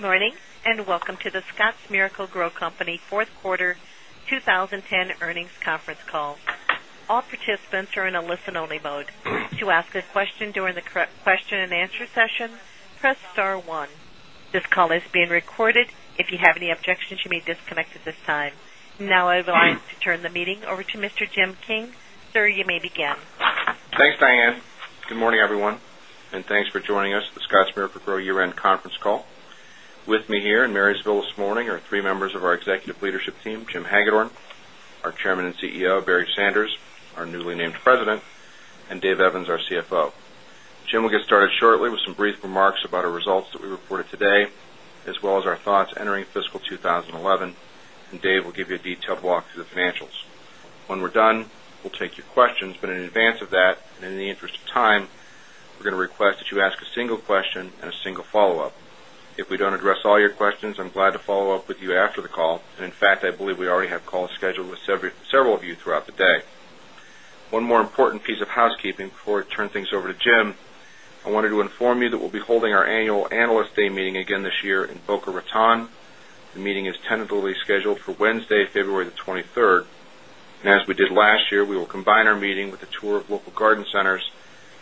Good morning, and welcome to the Scotts Miracle Gro Company 4th Quarter 2010 Earnings Conference Call. All participants are in a listen only mode. This call is being recorded. Now I would like to turn the meeting over to Mr. Jim King. Sir, you may begin. Thanks, Diane. Good morning, everyone, and thanks for joining us at the Scottsmere for Growth year end conference call. With me here in Marysville this morning are 3 members of our executive leadership team, Jim Hagedorn our Chairman and CEO, Barry Sanders our newly named President and Dave Evans, our CFO. Jim will get started shortly with some brief remarks about our results that we reported today, as well as our thoughts entering fiscal 2011, and Dave will give you a detailed walk through the financials. When we're done, we'll take your questions, but in advance of that and in the interest of time, we're going to request that you ask a single question and a single follow-up. If we don't address all your questions, I'm glad to follow-up with you after the call. And in fact, I believe we already have calls scheduled with several of you throughout the day. One more important piece of housekeeping before I turn things over to Jim, I wanted to inform you that we'll be holding our Annual Analyst Day meeting again this year in Boca Raton. The meeting is tentatively scheduled for Wednesday, February 23. And as we did last year, we will combine our meeting with a tour of local garden centers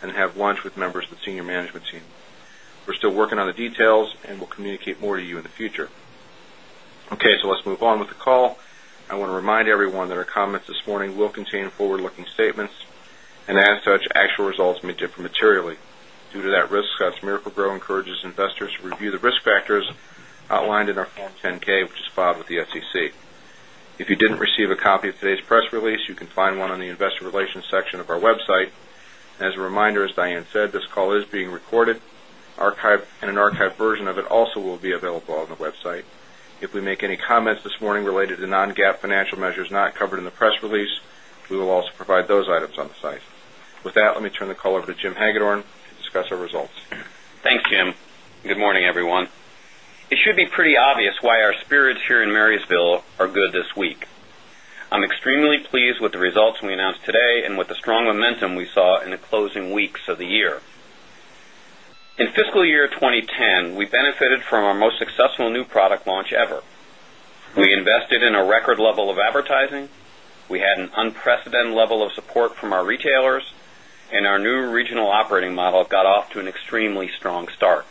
and have lunch with members of the senior management team. We're still working on the details and we'll communicate more to you in the future. Okay, so let's move on with the call. I want to remind everyone that our comments this morning will contain forward looking statements and as such, actual results may differ materially. Due to that risk, Scotts Miracle encourages investors to review the risk factors outlined in our Form 10 ks, which is filed with the SEC. If you didn't receive today's press release, you can find 1 on the Investor Relations section of our website. As a reminder, as Diane said, this call is being recorded and an archived version of it also will be available on the website. If we make any comments this morning related to non GAAP financial measures not covered in the press release, we will also provide those items on the site. With that, let me turn the call over to Jim Hagedorn to discuss our results. Thanks, Jim. Good morning, everyone. It should be pretty obvious why our spirits here in Marysville are good this week. I'm extremely pleased with the results we announced today and with the strong momentum we saw in the closing weeks of the year. In fiscal year 2010, we benefited from our most successful new product launch ever. We invested in a record level of advertising, we had an unprecedented level of support from our retailers and our new regional operating model got off to an extremely strong start.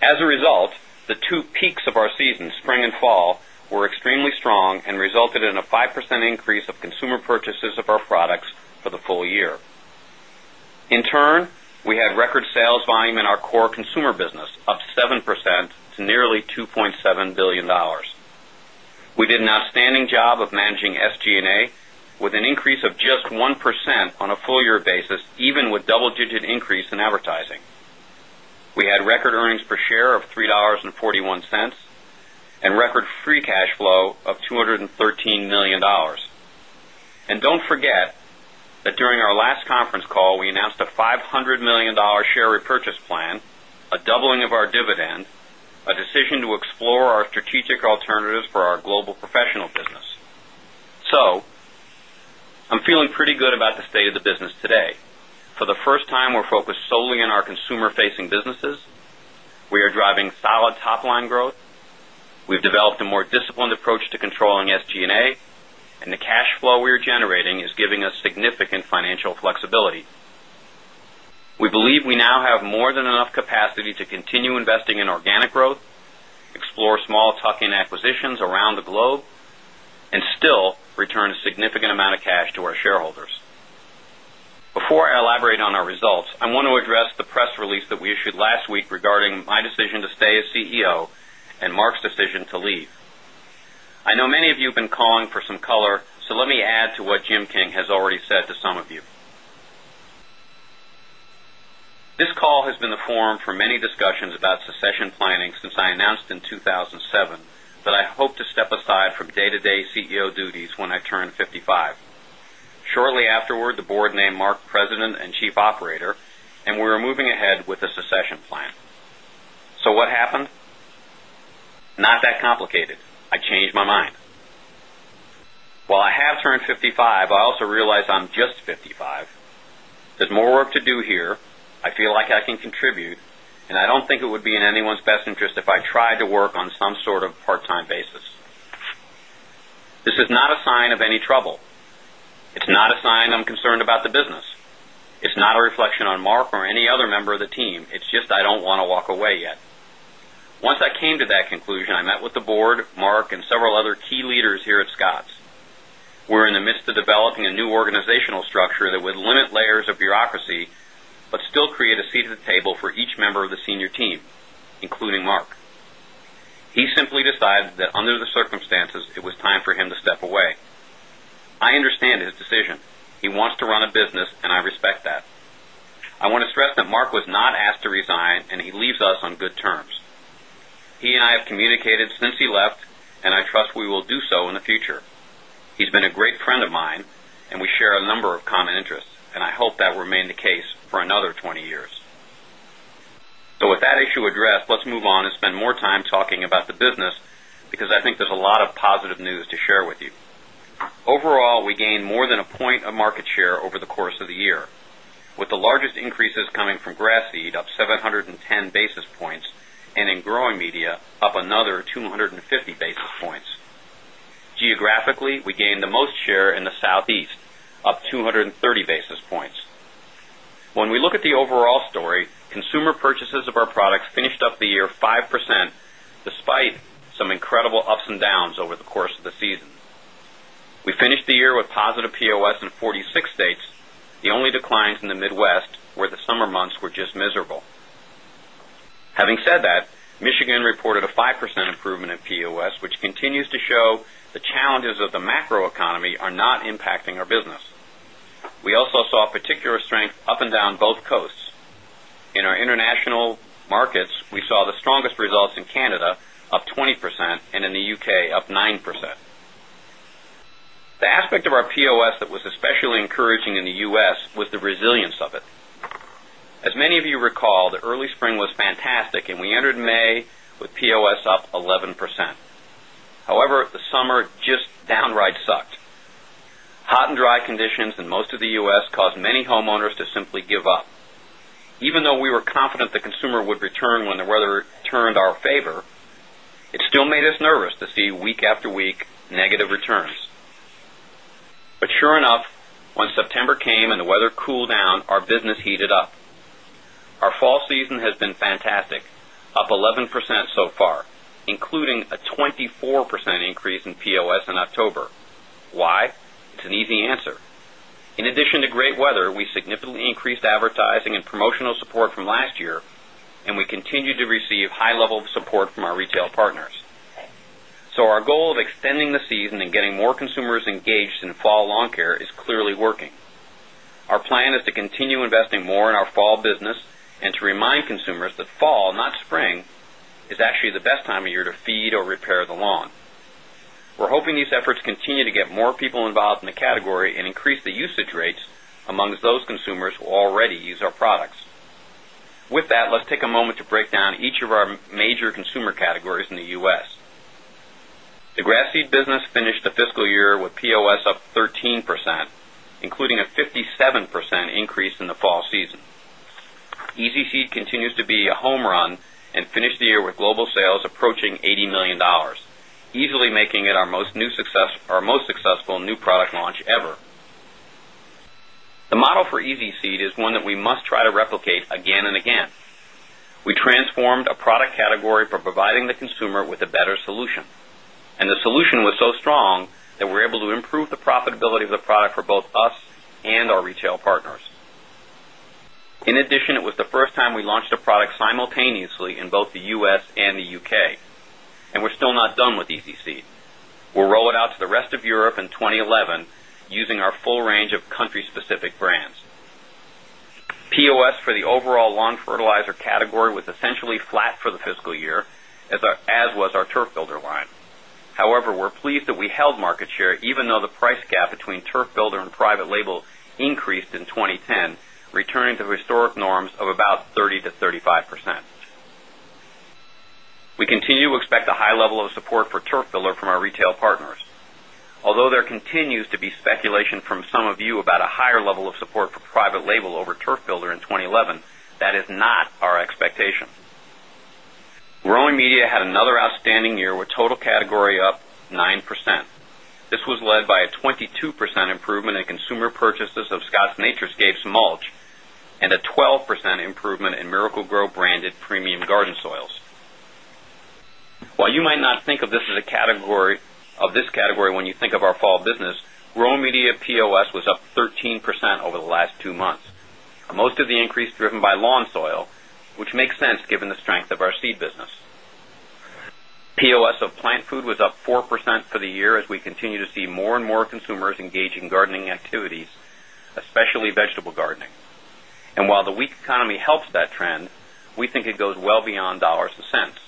As a result, the 2 peaks of our season, spring and fall were extremely strong and resulted in a 5% increase of consumer purchases of our products for the full year. In turn, we had record sales volume in our core consumer business, up 7% to nearly $2,700,000,000 We did an outstanding job of managing SG and A with an increase of just 1% on a full year basis, even with double digit increase in advertising. We had during our last conference call, we announced a $500,000,000 share repurchase plan, a doubling of our dividend, a decision to explore our strategic alternatives for our global professional business. So I'm feeling pretty developed a more disciplined approach to controlling SG and A and the cash flow we are generating is giving us significant financial flexibility. We believe we have more than enough capacity to continue investing in organic growth, explore small tuck in acquisitions around the globe and still return a significant amount of cash to our shareholders. Before I elaborate on our results, I want to address the press release that we issued last week regarding my decision to stay as CEO and Mark's decision to leave. I know many of you have been calling for some color, so let me add to what Jim King has already said to some of you. This call has been a forum for many discussions about succession planning since I announced in 2007, but I hope to step aside from day to day CEO duties when I turn 55. Shortly afterward, the Board named Mark President and Chief Operator we 5, I also realize I'm just 55. There's more work to do here. I feel like I can contribute and I don't think it would be in anyone's best interest if I tried to work on some sort of part time basis. This is not a sign of any trouble. It's not a sign I'm concerned about the business. It's not a reflection on Mark or any other member of the team. It's just I don't want to walk away yet. Once I came to that conclusion, I met with the Board, Mark and several other key leaders here at Scotts. We're in the midst of developing a new organizational structure that would limit layers of bureaucracy, but still create at the table for each member of the senior team, including Mark. He simply decided that under the circumstances, it was time for him to step away. I understand his decision. He wants to run a business and I respect that. I want to stress that Mark was not asked to resign and he leaves us on good terms. He and I have communicated since he left and I trust we will do so in the future. He's been a great friend of mine and we share a number of common interests and I hope that remain the case for another 20 years. So with that issue addressed, let's move on and spend more time talking about the business because I think there's a lot of positive news to share with you. Overall, we gained more than a point of market share over the course of the year, with the largest increases coming from grass seed up 7 10 basis points and in growing media up another 2 50 basis points. Geographically, we gained the most share in the Southeast, up 2 30 basis points. When we look at the overall story, consumer purchases of our products finished up the year 5% despite some incredible ups and downs over the course of the season. We finished the year with positive POS in 46 states, the only declines in the Midwest where the summer months were just miserable. Having said that, Michigan reported a 5% improvement in POS, which continues to show the challenges of the macro economy are not impacting our business. We also saw particular strength up and down both coasts. In our international markets, we saw the strongest results in Canada, up 20% and in the UK, up 9 percent. The aspect of our POS that was especially encouraging in the U. S. Was the resilience of it. As many of you recall, the early spring was fantastic and we entered May with POS up 11%. However, the summer just downright sucked. Hot and dry conditions in most of the U. S. Caused many homeowners to simply give up. Even though we were confident the consumer would return when the weather turned our favor, it still made us nervous to see week after week negative returns. But sure enough, far, including a 20 4% increase in POS in October. Why? It's an easy answer. In addition to great weather, we significantly increased advertising and promotional support from last year and we continue to receive high level support from our retail partners. So our goal of extending the season and getting more consumers engaged in fall lawn care is actually the best time of year to feed or repair the lawn. We're hoping these efforts continue to get more people involved in the category and increase the usage rates amongst those consumers who already use our products. With that, let's take a moment to break down each of our major consumer categories in the U. S. The grass seed business finished the fiscal year with POS up 13%, including a 57% increase in the fall season. Easy Seed continues to be a home run and finished the year with global sales approaching $80,000,000 easily making it our most successful new product launch ever. The model for Easy Seed is one that we must try to replicate again and again. We transformed a product category for providing the consumer with a better solution. And the solution was so strong that we're able to improve the both the U. S. And the U. K. And we're still not done with ECC. We'll roll it out to the rest of Europe in 20 11 using our full range of country specific brands. POS for the overall lawn fertilizer category was essentially flat for the fiscal year as was turf builder line. However, we're pleased that we held market share even though the price gap between turf builder and private label increased in 2010, return to historic norms of about 30% to 35%. We continue to expect a high level of support for turf filler from our retail partners. Although there continues to be speculation from some of you about a higher level of support for private label over turf builder in 2011, that is not expectation. Growing media had another outstanding year with total category up 9%. This led by a 22% improvement in consumer purchases of Scotts NatureScapes Mulch and a 12% improvement in Miracle Gro fall business, raw media POS was up 13% over the last 2 months. Most of the increase driven by lawn soil, which makes sense given the strength of our seed business. POS of plant food was up 4% for the year as we continue to see more and more consumers engage in gardening activities, especially vegetable gardening. And while the weak economy helps that trend, we think it goes well beyond dollars and cents.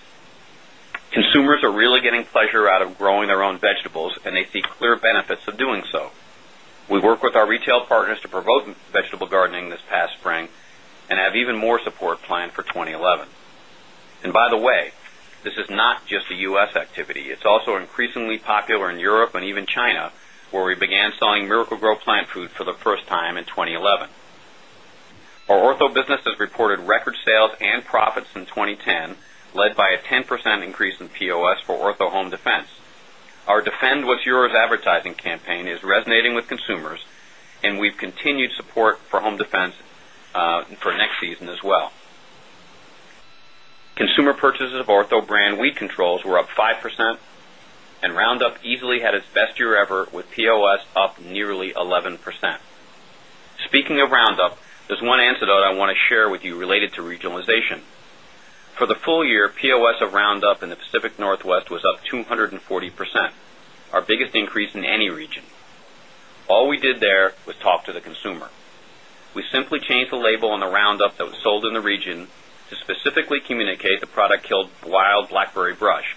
Consumers are really getting pleasure out of growing their own vegetables and they see clear benefits of doing so. We work with our retail partners to promote vegetable garden this past spring and have even more support planned for 2011. And by the way, this is not just a U. S. Activity, it's also increasingly popular in Europe and even China where we began selling Miracle Gro plant food for the first time in 2011. Our ortho has reported record sales and profits in 2010 led by a 10% increase in POS for Ortho Home Defense. Our defend what's yours advertising campaign is resonating with consumers and we've continued support for Home Defense for next season as well. Consumer POS up nearly 11%. Speaking of Roundup, there's one antidote I want to share with you related to regionalization. For the full year, POS of Roundup in in the Pacific Northwest was up 2 40%, our biggest increase in any region. All we did there was talk to the consumer. We simply changed the label on the Roundup that was sold in the region to specifically communicate the product killed wild blackberry brush.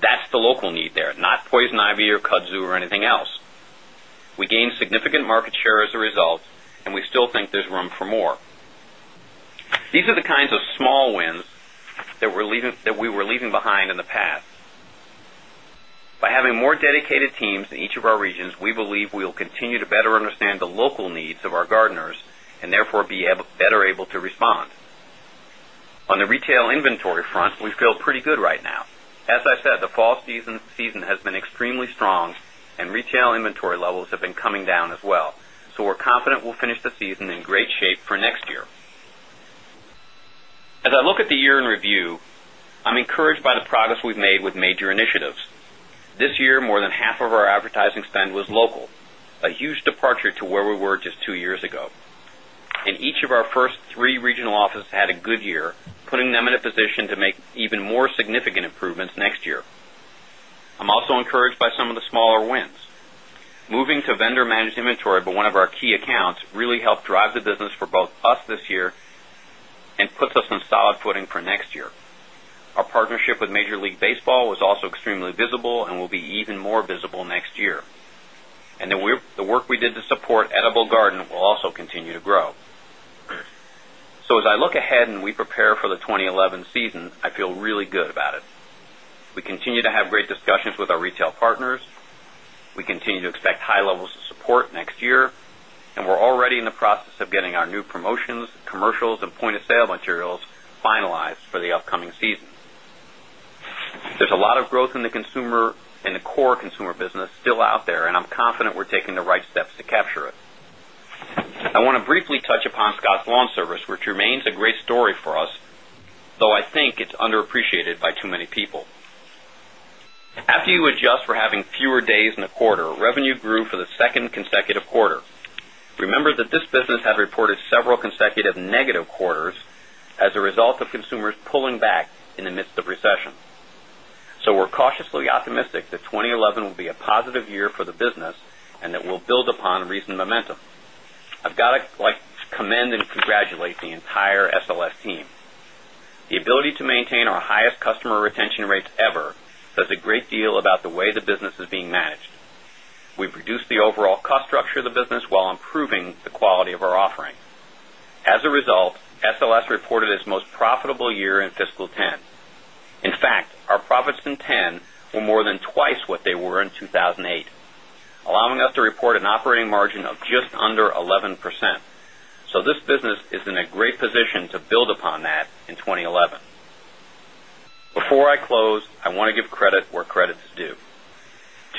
That's the local need there, not poison ivy or kudzu or anything else. We gained significant market share as a result and we still think there's room for more. These are the kinds of small wins that we were leaving behind in the past. By having more dedicated teams in each of our regions, we believe we will continue to better understand the local needs of our gardeners and therefore be better able to respond. On the retail inventory front, we feel pretty good right now. As I said, the fall season has been extremely strong and retail inventory levels have been coming down as well. So we're confident we'll finish the season in great shape for next year. As I look at the year in review, I'm encouraged by the progress we've made with major initiatives. This year more than half of our advertising spend was local, a huge departure to where we were just 2 years ago. And each of our first three regional offices had a good year, putting them in a position to make even more significant improvements next year. I'm also encouraged by some of the smaller wins. Moving to vendor managed inventory, but one of our key accounts really helped drive the business for both us this year and puts us on solid footing for next year. Our partnership with Major League Baseball was also extremely visible and will be even more visible next year. And the work we did to support Edible Garden will also continue to grow. So as I look ahead and we prepare for the 2011 season, I feel really good about it. We continue to have great discussions with our retail partners. We continue to expect high levels of support next year and we're already in the process of getting our new promotions, commercials and point of sale materials finalized for the upcoming season. There is a lot of growth in the consumer and the core consumer business still out there and I'm confident we're taking the right steps to capture it. I want to briefly touch upon Scotts Lawn Service, which remains a great story for us, though I think it's underappreciated by too many people. After you adjust for having fewer days in the quarter, revenue grew for the 2nd consecutive quarter. Remember that this business had reported several consecutive negative quarters as a result of consumers pulling back in the midst of recession. So we're cautiously optimistic that 2011 will be a positive year for the business and that will build upon recent momentum. I've got to commend and congratulate the entire SLS The ability to maintain our highest customer retention rates ever does a great deal about the way the business is being managed. We've reduced the overall cost structure of the business while improving the quality of our offering. As a result, SLS reported its most profitable year in fiscal 'ten. In fact, our profits in 'ten were more than twice what they were in 2,008, allowing us to report an operating margin of just under 11%. So this is in a great position to build upon that in 2011. Before I close, I want to give credit where credit is due.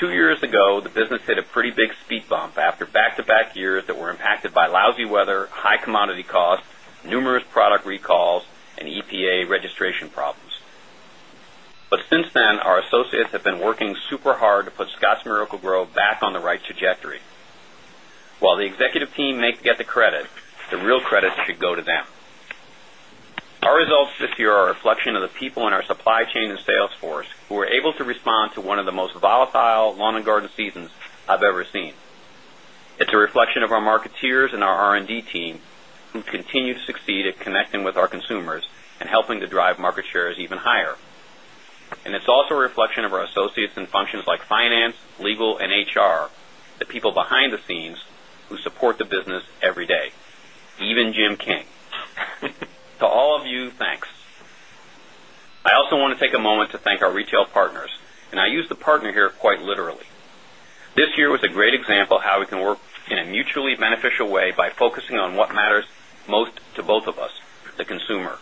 2 years ago, the business hit a pretty big speed bump after back to back years that were impacted by lousy weather, high commodity costs, numerous product recalls and EPA registration problems. But since then, our associates have been working super hard to put Scotts Miracle Gro back on the right trajectory. While the executive team may get the credit, the real credit should go to them. Our results this year are a reflection of the people in our supply chain and sales force who were able to respond to one of the most volatile lawn and garden seasons I've ever seen. It's a reflection of our marketeers and our R and D team who continue to succeed at connecting with our consumers and helping to drive market shares even higher. And it's also a reflection of our associates and functions like finance, legal and HR, the people behind the scenes who support the business every day, even Jim King. To all of you, thanks. I also want to take a moment to thank our retail partners and I use the partner here quite literally. This year was a great example how we can work in a mutually beneficial way by focusing on what matters most to both of us, the consumer.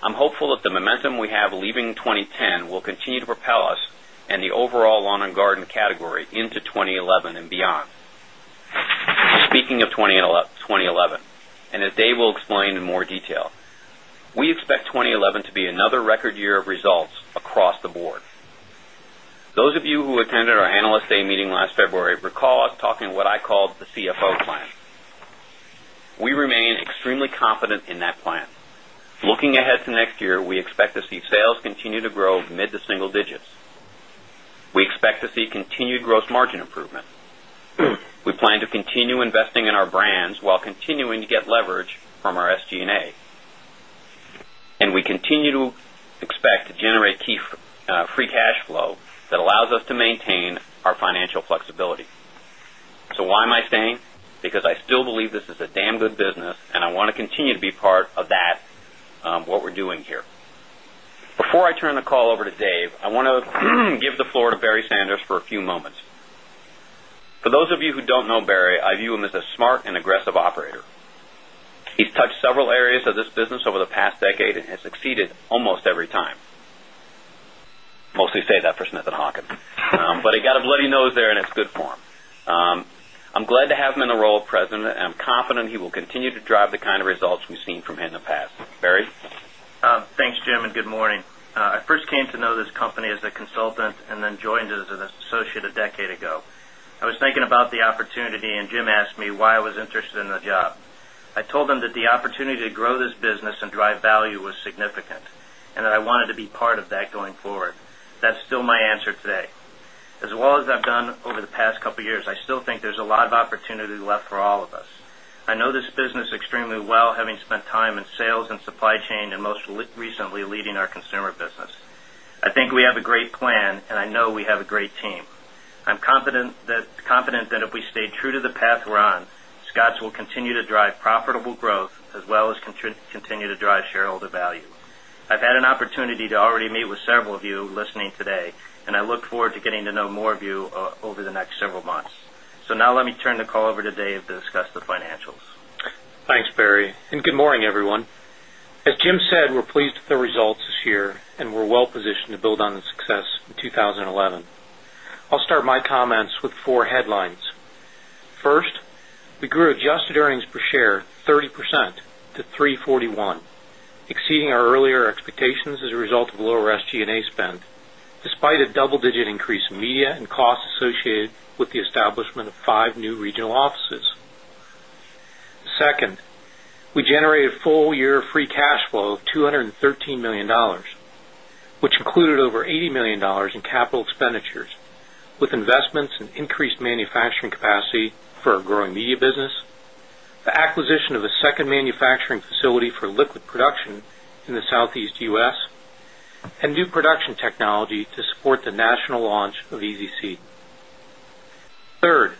I'm hopeful that momentum we have leaving 2010 will continue to propel us and the overall lawn and garden category into 2011 and beyond. Speaking of 2011 and as Dave will explain in more detail, we expect 2011 to be another record year of results across the board. Those of you who attended our Analyst Day meeting last February recall us talking what I called the CFO plan. We remain extremely confident in that plan. Looking ahead to next year, we expect to see sales continue to grow mid to single digits. We expect to see continued gross margin improvement. We plan to continue investing in our brands, while continuing to get leverage from our SG and A. And we continue to expect to generate key free cash flow that allows us to maintain our financial flexibility. So why am I staying? Because I still believe this is a damn good business and I want to continue to be part of that, what we're doing here. Before I turn the call over to Dave, I want to give the floor to Barry Sanders for a few moments. For those of you who don't know Barry, I view him as a smart and aggressive operator. He's touched several areas of this business over the past decade and has exceeded Hawkins, but he got a bloody nose there and it's good form. I'm glad to have him in the role of President and I'm confident he will continue to drive the kind of results we've seen from him in the past. Barry? Thanks, Jim, and good morning. I first came to know this company as a consultant and then joined as an associate a decade ago. I was thinking about the opportunity and Jim asked me why I was interested in the job. I told them that the opportunity to grow this business and drive value was significant and that I wanted to be part of that going forward. That's still my answer today. As well as I've done over the past couple of years, I still think there's a lot of opportunity left for all of us. I know this business extremely well having spent time in sales and supply chain and most recently leading our consumer business. I think we have a great plan and I know we have a great team. I'm confident that if we stay true to the path will continue to drive profitable growth as well as continue to drive shareholder value. I've had an opportunity to already meet with several of you listening today and I look forward to to Barry, and good morning, everyone. As Jim said, we're pleased with the results this year and we're well positioned to build on the success in 2011. I'll start my comments with 4 headlines. 1st, we grew adjusted earnings per share 30% to 3.41 dollars exceeding our earlier expectations as a result of lower SG and A spend despite a double digit increase in media and costs associated with the establishment of 5 new regional offices. 2nd, we generated full year free cash flow of $213,000,000 which included over $80,000,000 in capital expenditures with investments and increased manufacturing capacity for our growing media business, the acquisition of a second manufacturing facility for liquid production in the Southeast U. S. And new production technology to support the national launch of EZ Seed. 3rd,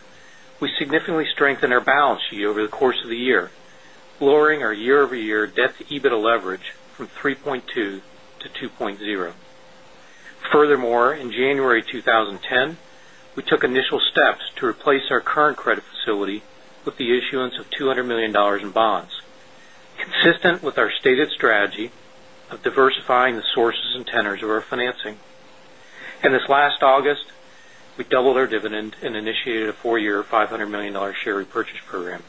we significantly strengthened our balance sheet over the course of the year, lowering our year over year debt to EBITDA leverage from 3.2 to 2.0. Furthermore, in January 2010, we took initial steps to replace our current credit facility with the issuance of $200,000,000 in bonds. Consistent with our stated strategy of diversifying the sources and tenors of our financing. In this last August, we doubled our dividend and initiated a 4 year $500,000,000 share repurchase program.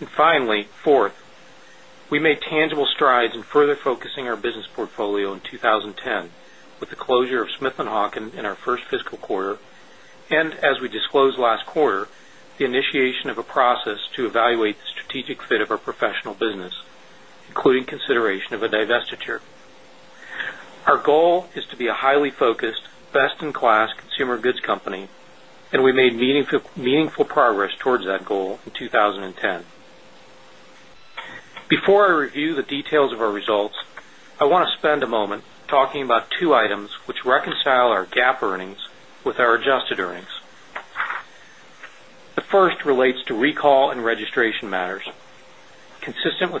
And finally, 4th, we made tangible strides in further focusing our business portfolio in 2010 with the closure of Smith and Hawken in our 1st fiscal quarter and as we disclosed last quarter, the initiation of a process to evaluate the strategic fit of our professional business, including consideration of a divestiture. Our goal is to be a highly focused best in class consumer goods company and we made meaningful progress towards that goal 2010. Before I review the details of our results, I want to spend a moment talking about 2 items which with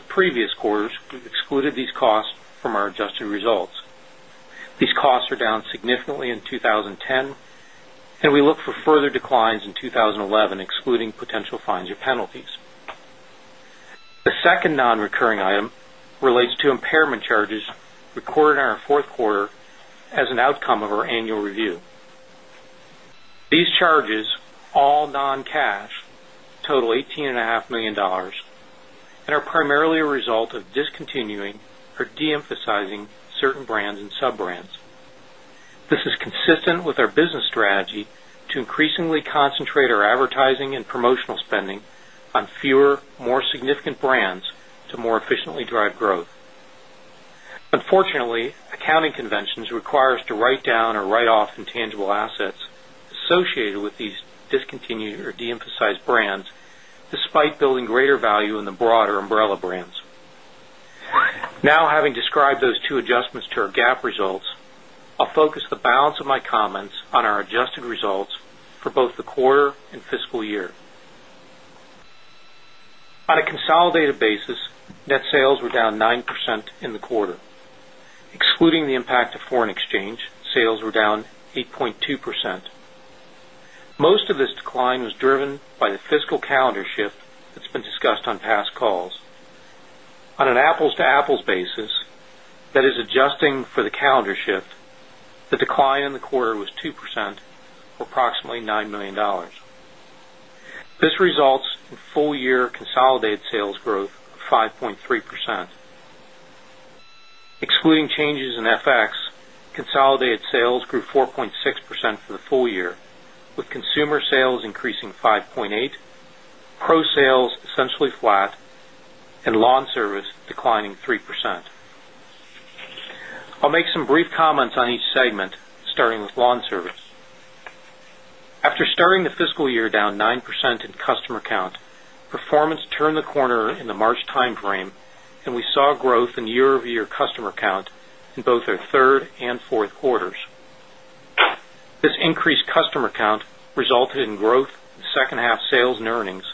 previous quarters, we excluded these costs from our adjusted results. These costs are down significantly in 2010 and we look for further declines in 2011 excluding potential fines or penalties. The second non recurring The second non recurring item charges all non cash total $18,500,000 and are primarily a result of discontinuing or deemphasizing certain brands and sub brands. This is fewer, more significant brands to more efficiently drive growth. On fewer, more significant brands to more efficiently drive growth. Unfortunately, accounting conventions require us to write down or write off intangible assets associated with these discontinued or deemphasized brands despite building greater value broader umbrella brands. Now having described those two adjustments to our GAAP results, I'll focus the balance of my comments on our adjusted results for both the quarter and fiscal year. On a consolidated basis, net sales were down 9 percent in the quarter. Excluding the impact of foreign exchange, sales were down 8.2%. Most of this decline was driven by the fiscal calendar shift that's been discussed on past calls. On an apples to apples basis that is adjusting for the calendar shift, in full year consolidated sales growth of 5.3%. Excluding changes in FX, consolidated sales grew 4.6% for the full year with consumer sales increasing 5.8%, pro sales essentially flat and lawn service declining 3%. I'll make some brief comments on each segment starting with lawn service. After starting the fiscal year down 9% in customer count, performance turned the corner in the March timeframe and we saw growth in year over year customer count in both our 3rd and 4th quarters. This increased customer count resulted in growth in second half sales and earnings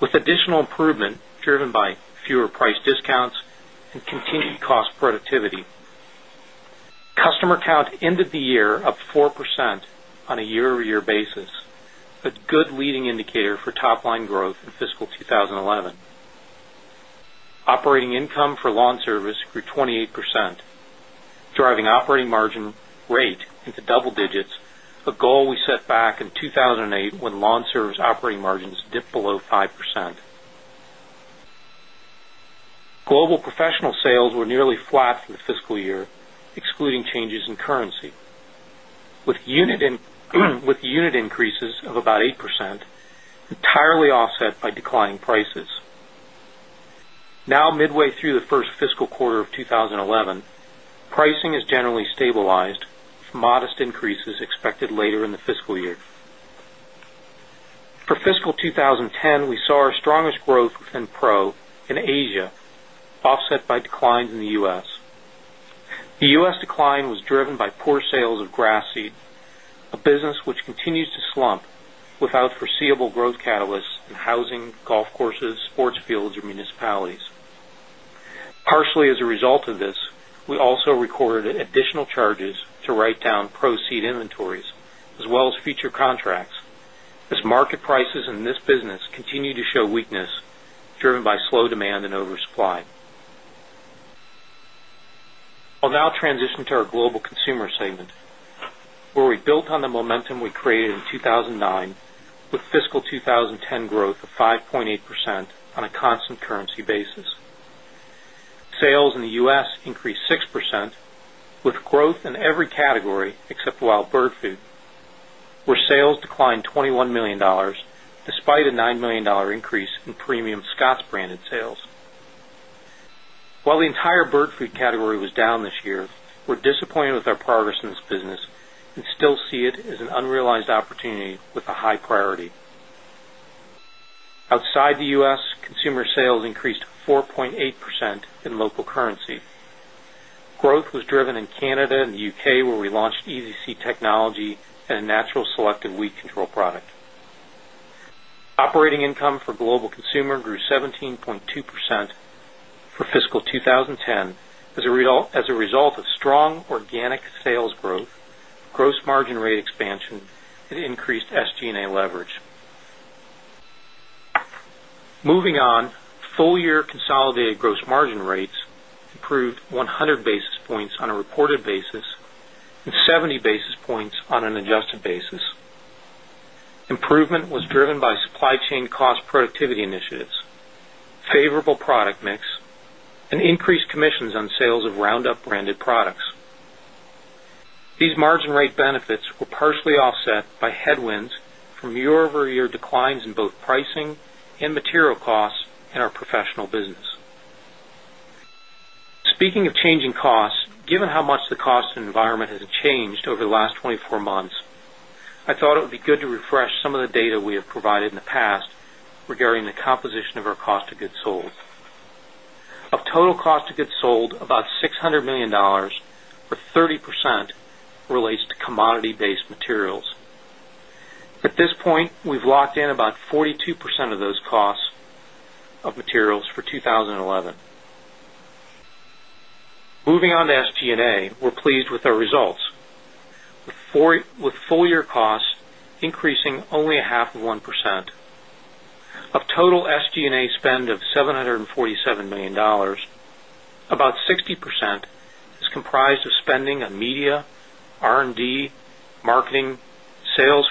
with additional improvement driven by fewer price discounts and continued cost productivity. Customer count ended the year up 4% on a year over year basis, a good leading indicator for top line growth in fiscal 2011. Operating income for lawn service grew 28 percent, driving operating margin rate into double digits, a goal we set back in 2,008 when lawn service operating margins dipped below 5%. Global professional sales were nearly flat from the fiscal year, excluding changes in currency, with unit increases of about 8% entirely offset by of offset by declines in the U. S. The U. S. Decline was driven by poor sales of grass seed, a business which continues to slump with foreseeable growth catalysts in housing, golf courses, sports fields or municipalities. Partially as as as market prices in this business continue to show weakness driven by slow demand and oversupply. I'll now transition to our global consumer segment, where we built on the momentum we created in 2,009 with fiscal 2010 growth of 5.8% on a constant currency basis. Sales in the U. S. Increased 6% with growth in every category except wild bird food, where sales declined $21,000,000 despite a $9,000,000 increase in premium Scotts branded sales. While the entire currency. Growth was driven in Canada and the U. K. Where we launched EZC technology and natural selective weed control product. Operating income for global consumer grew 17.2 percent for fiscal 20 10 as a result a result of strong organic sales growth, gross margin rate expansion and increased SG and A leverage. Moving on, full year consolidated gross margin rates improved 100 basis points on a reported basis 70 basis points on an adjusted basis. Improvement was driven by supply chain cost productivity initiatives, favorable product mix and increased commissions on sales of Roundup branded products. These margin rate benefits were partially offset by headwinds from year over year declines in both pricing and material costs in our professional business. Speaking of changing costs, given how much the cost environment has changed over the last 24 months, I thought it would be good to refresh some of the data we have provided in the past regarding the composition of our cost of goods sold. Of total cost of goods sold, about $600,000,000 or 30% relates to based materials. At this point, we've locked in about 42% of those costs of materials for 20 11. Moving on to SG and A, we're pleased with our results with full year costs increasing only a half of 1%. Of total SG and A spend of 747,000,000 about 60% is comprised of spending on media, R and D, marketing, sales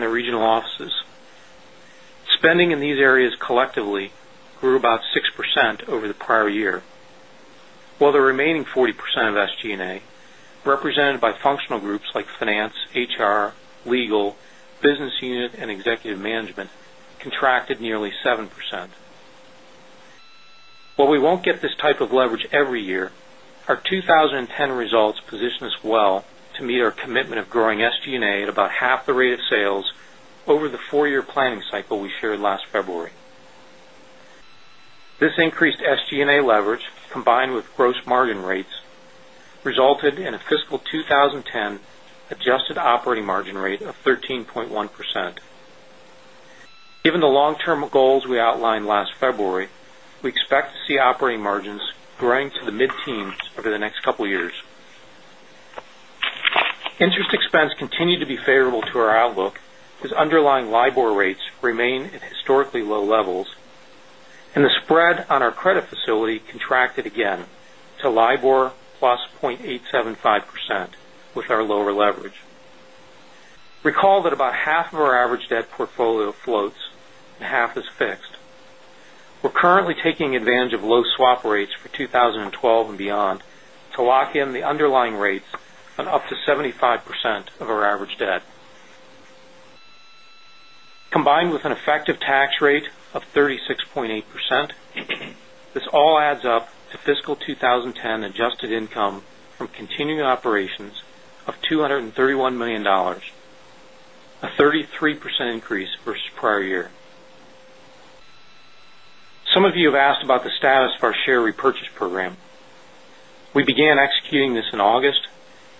offices. Spending in these areas collectively grew about 6% over the prior year, while the remaining 40% of SG and A represented by functional groups like finance, HR, legal, business unit and executive finance, HR, legal, business unit and executive management contracted nearly 7%. While we won't get this type of leverage every year, our 2010 results position us well to meet our commitment of growing SG and A at about half the rate of sales over the 4 year planning cycle we shared last February. This increased SG and A leverage combined with gross margin rates resulted in a fiscal 20 10 adjusted operating margin rate of 13.1 next couple of years. Interest expense continued to be favorable to our outlook as underlying at percent with our lower leverage. Recall that about half of our average debt portfolio floats and half is fixed. We're currently taking 2012 and beyond to lock in the underlying rates on up to 75% of our average debt. Combined with an effective tax rate of 36.8%, this all up to fiscal 20 10 adjusted income from continuing operations of $231,000,000 a 33 percent increase versus prior year. Some of you have asked about the status of our share repurchase program. We began executing this in August,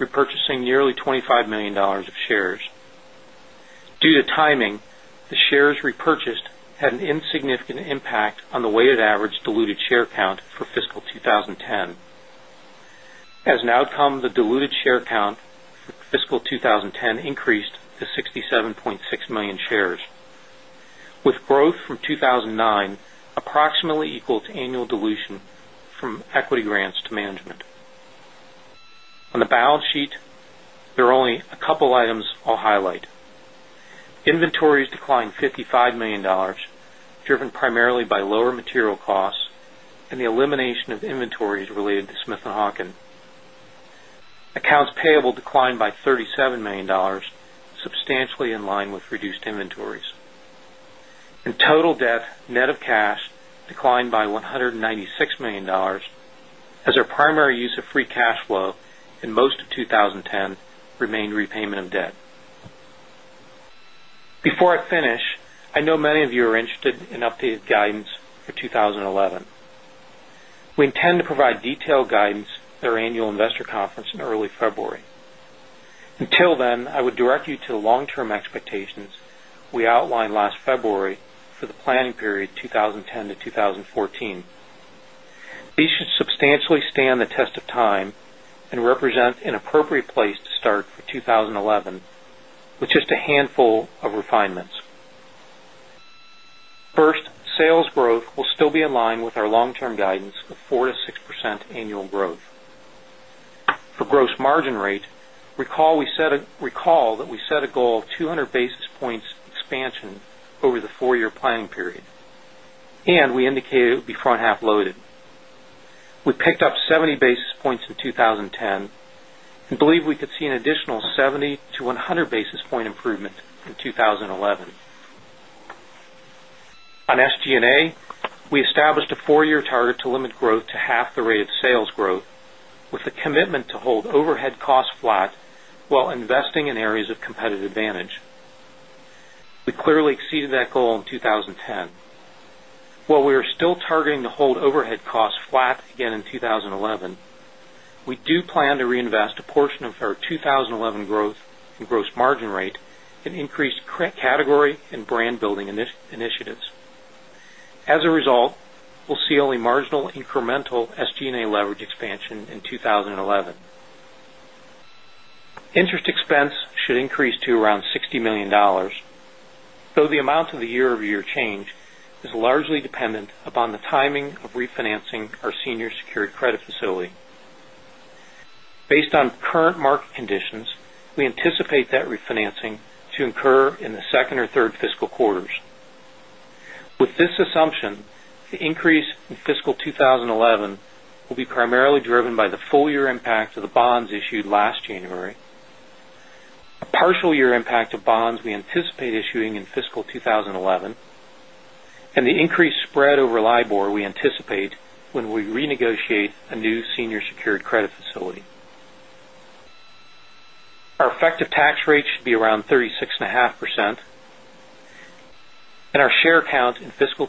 repurchasing nearly $25,000,000 of shares. Due to timing, the shares repurchased had an insignificant impact on the weighted average diluted share count for fiscal 20 10. As an outcome, the diluted share count for fiscal 20 10 increased to 67 point 10 increased to 67 point 6 $55,000,000 driven primarily by lower material costs, $55,000,000 driven primarily by lower material costs and the elimination of inventories related to Smith and Hawken. Accounts payable declined by $37,000,000 substantially in line with reduced inventories. In total debt, net of cash declined by $196,000,000 as our primary use of free cash flow in most of 20 10 remained repayment of debt. Before I finish, I know many of you are interested in updated guidance for then, I would direct you to the long term expectations we outlined last February for the planning period 2010 to 2014. These should substantially stand the test of time and represent an appropriate place to start for 20 11 with just a handful of to basis points expansion over the 4 year planning period, and we indicated it would be front half loaded. We picked up 70 basis points in 20.10 and believe we could see an additional 70 to 100 basis point improvement in 20.11. On SG and A, we established a 4 year target to limit growth to half the rate of sales growth with a commitment to hold overhead costs flat while investing in areas of competitive advantage. We clearly exceeded that goal in 2010. While we are still targeting to hold overhead costs flat again in 2011, we do plan to reinvest a portion of our 2011 growth and gross margin rate and increased category and brand building initiatives. A result, we'll see only marginal incremental SG and A leverage expansion in 20 11. Interest expense should increase to around $60,000,000 though the amount of the year over year change is largely dependent upon the timing of refinancing our senior secured credit facility. Based on current market conditions, we anticipate that refinancing to incur in the 2nd or 3rd fiscal quarters. With this assumption, the increase in fiscal 20 11 will 20 credit facility. Our effective tax rate should be around 36.5 percent and our share count in fiscal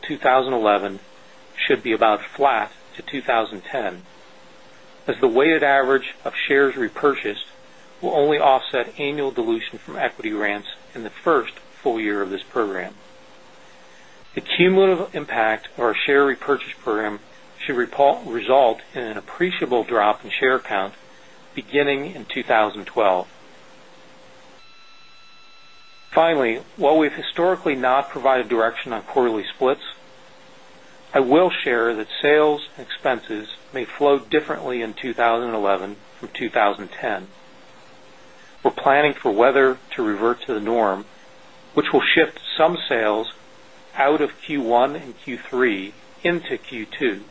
annual dilution from equity rents in the 1st full year of this program. The cumulative impact of our share repurchase program should result in an appreciable drop in share count beginning in that shift some sales out of Q1 and Q3 into Q2.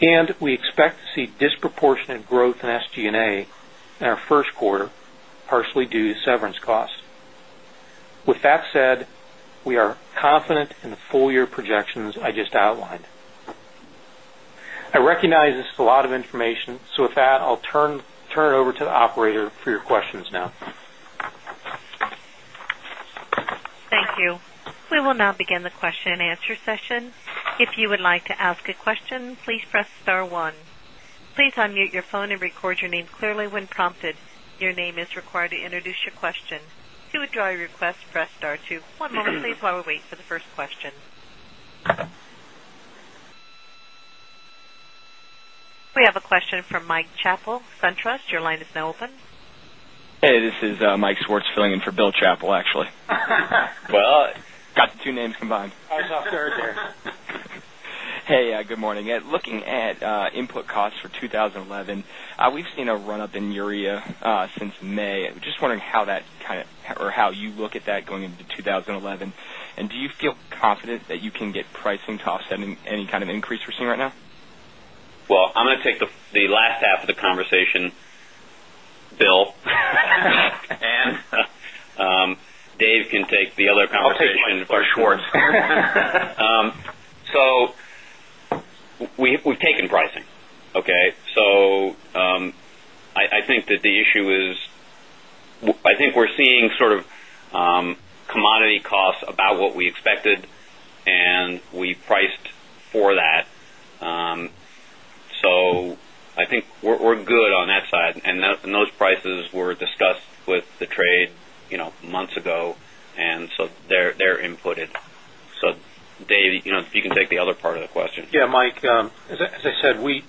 And we expect to see disproportionate growth in SG and A in our Q1, partially due to severance costs. With that said, we are confident in the full year projections I just outlined. I recognize this is a lot of information, so with that I'll turn it over to We have a question from Mike Chappell, SunTrust. Your line is now open. Hey, this is Mike Swartz filling in for Bill Chappell actually. Well, got the two names combined. Looking at input costs for 2011, we've seen a run up in urea since May. Just wondering how that kind of or how you look at that going into 2011? And do you feel confident that you can get pricing to offset any kind of increase we're seeing right now? Well, I'm going to take the last half of the conversation, Bill. And we've taken pricing, okay. So I think that the issue is, I think we're seeing sort of commodity costs about what we expected and we priced for that. So I think we're good on that side and those prices were discussed with the trade months ago and so they're inputted. So Dave, if you can take the other part of the question. Yes, Mike, as I said, we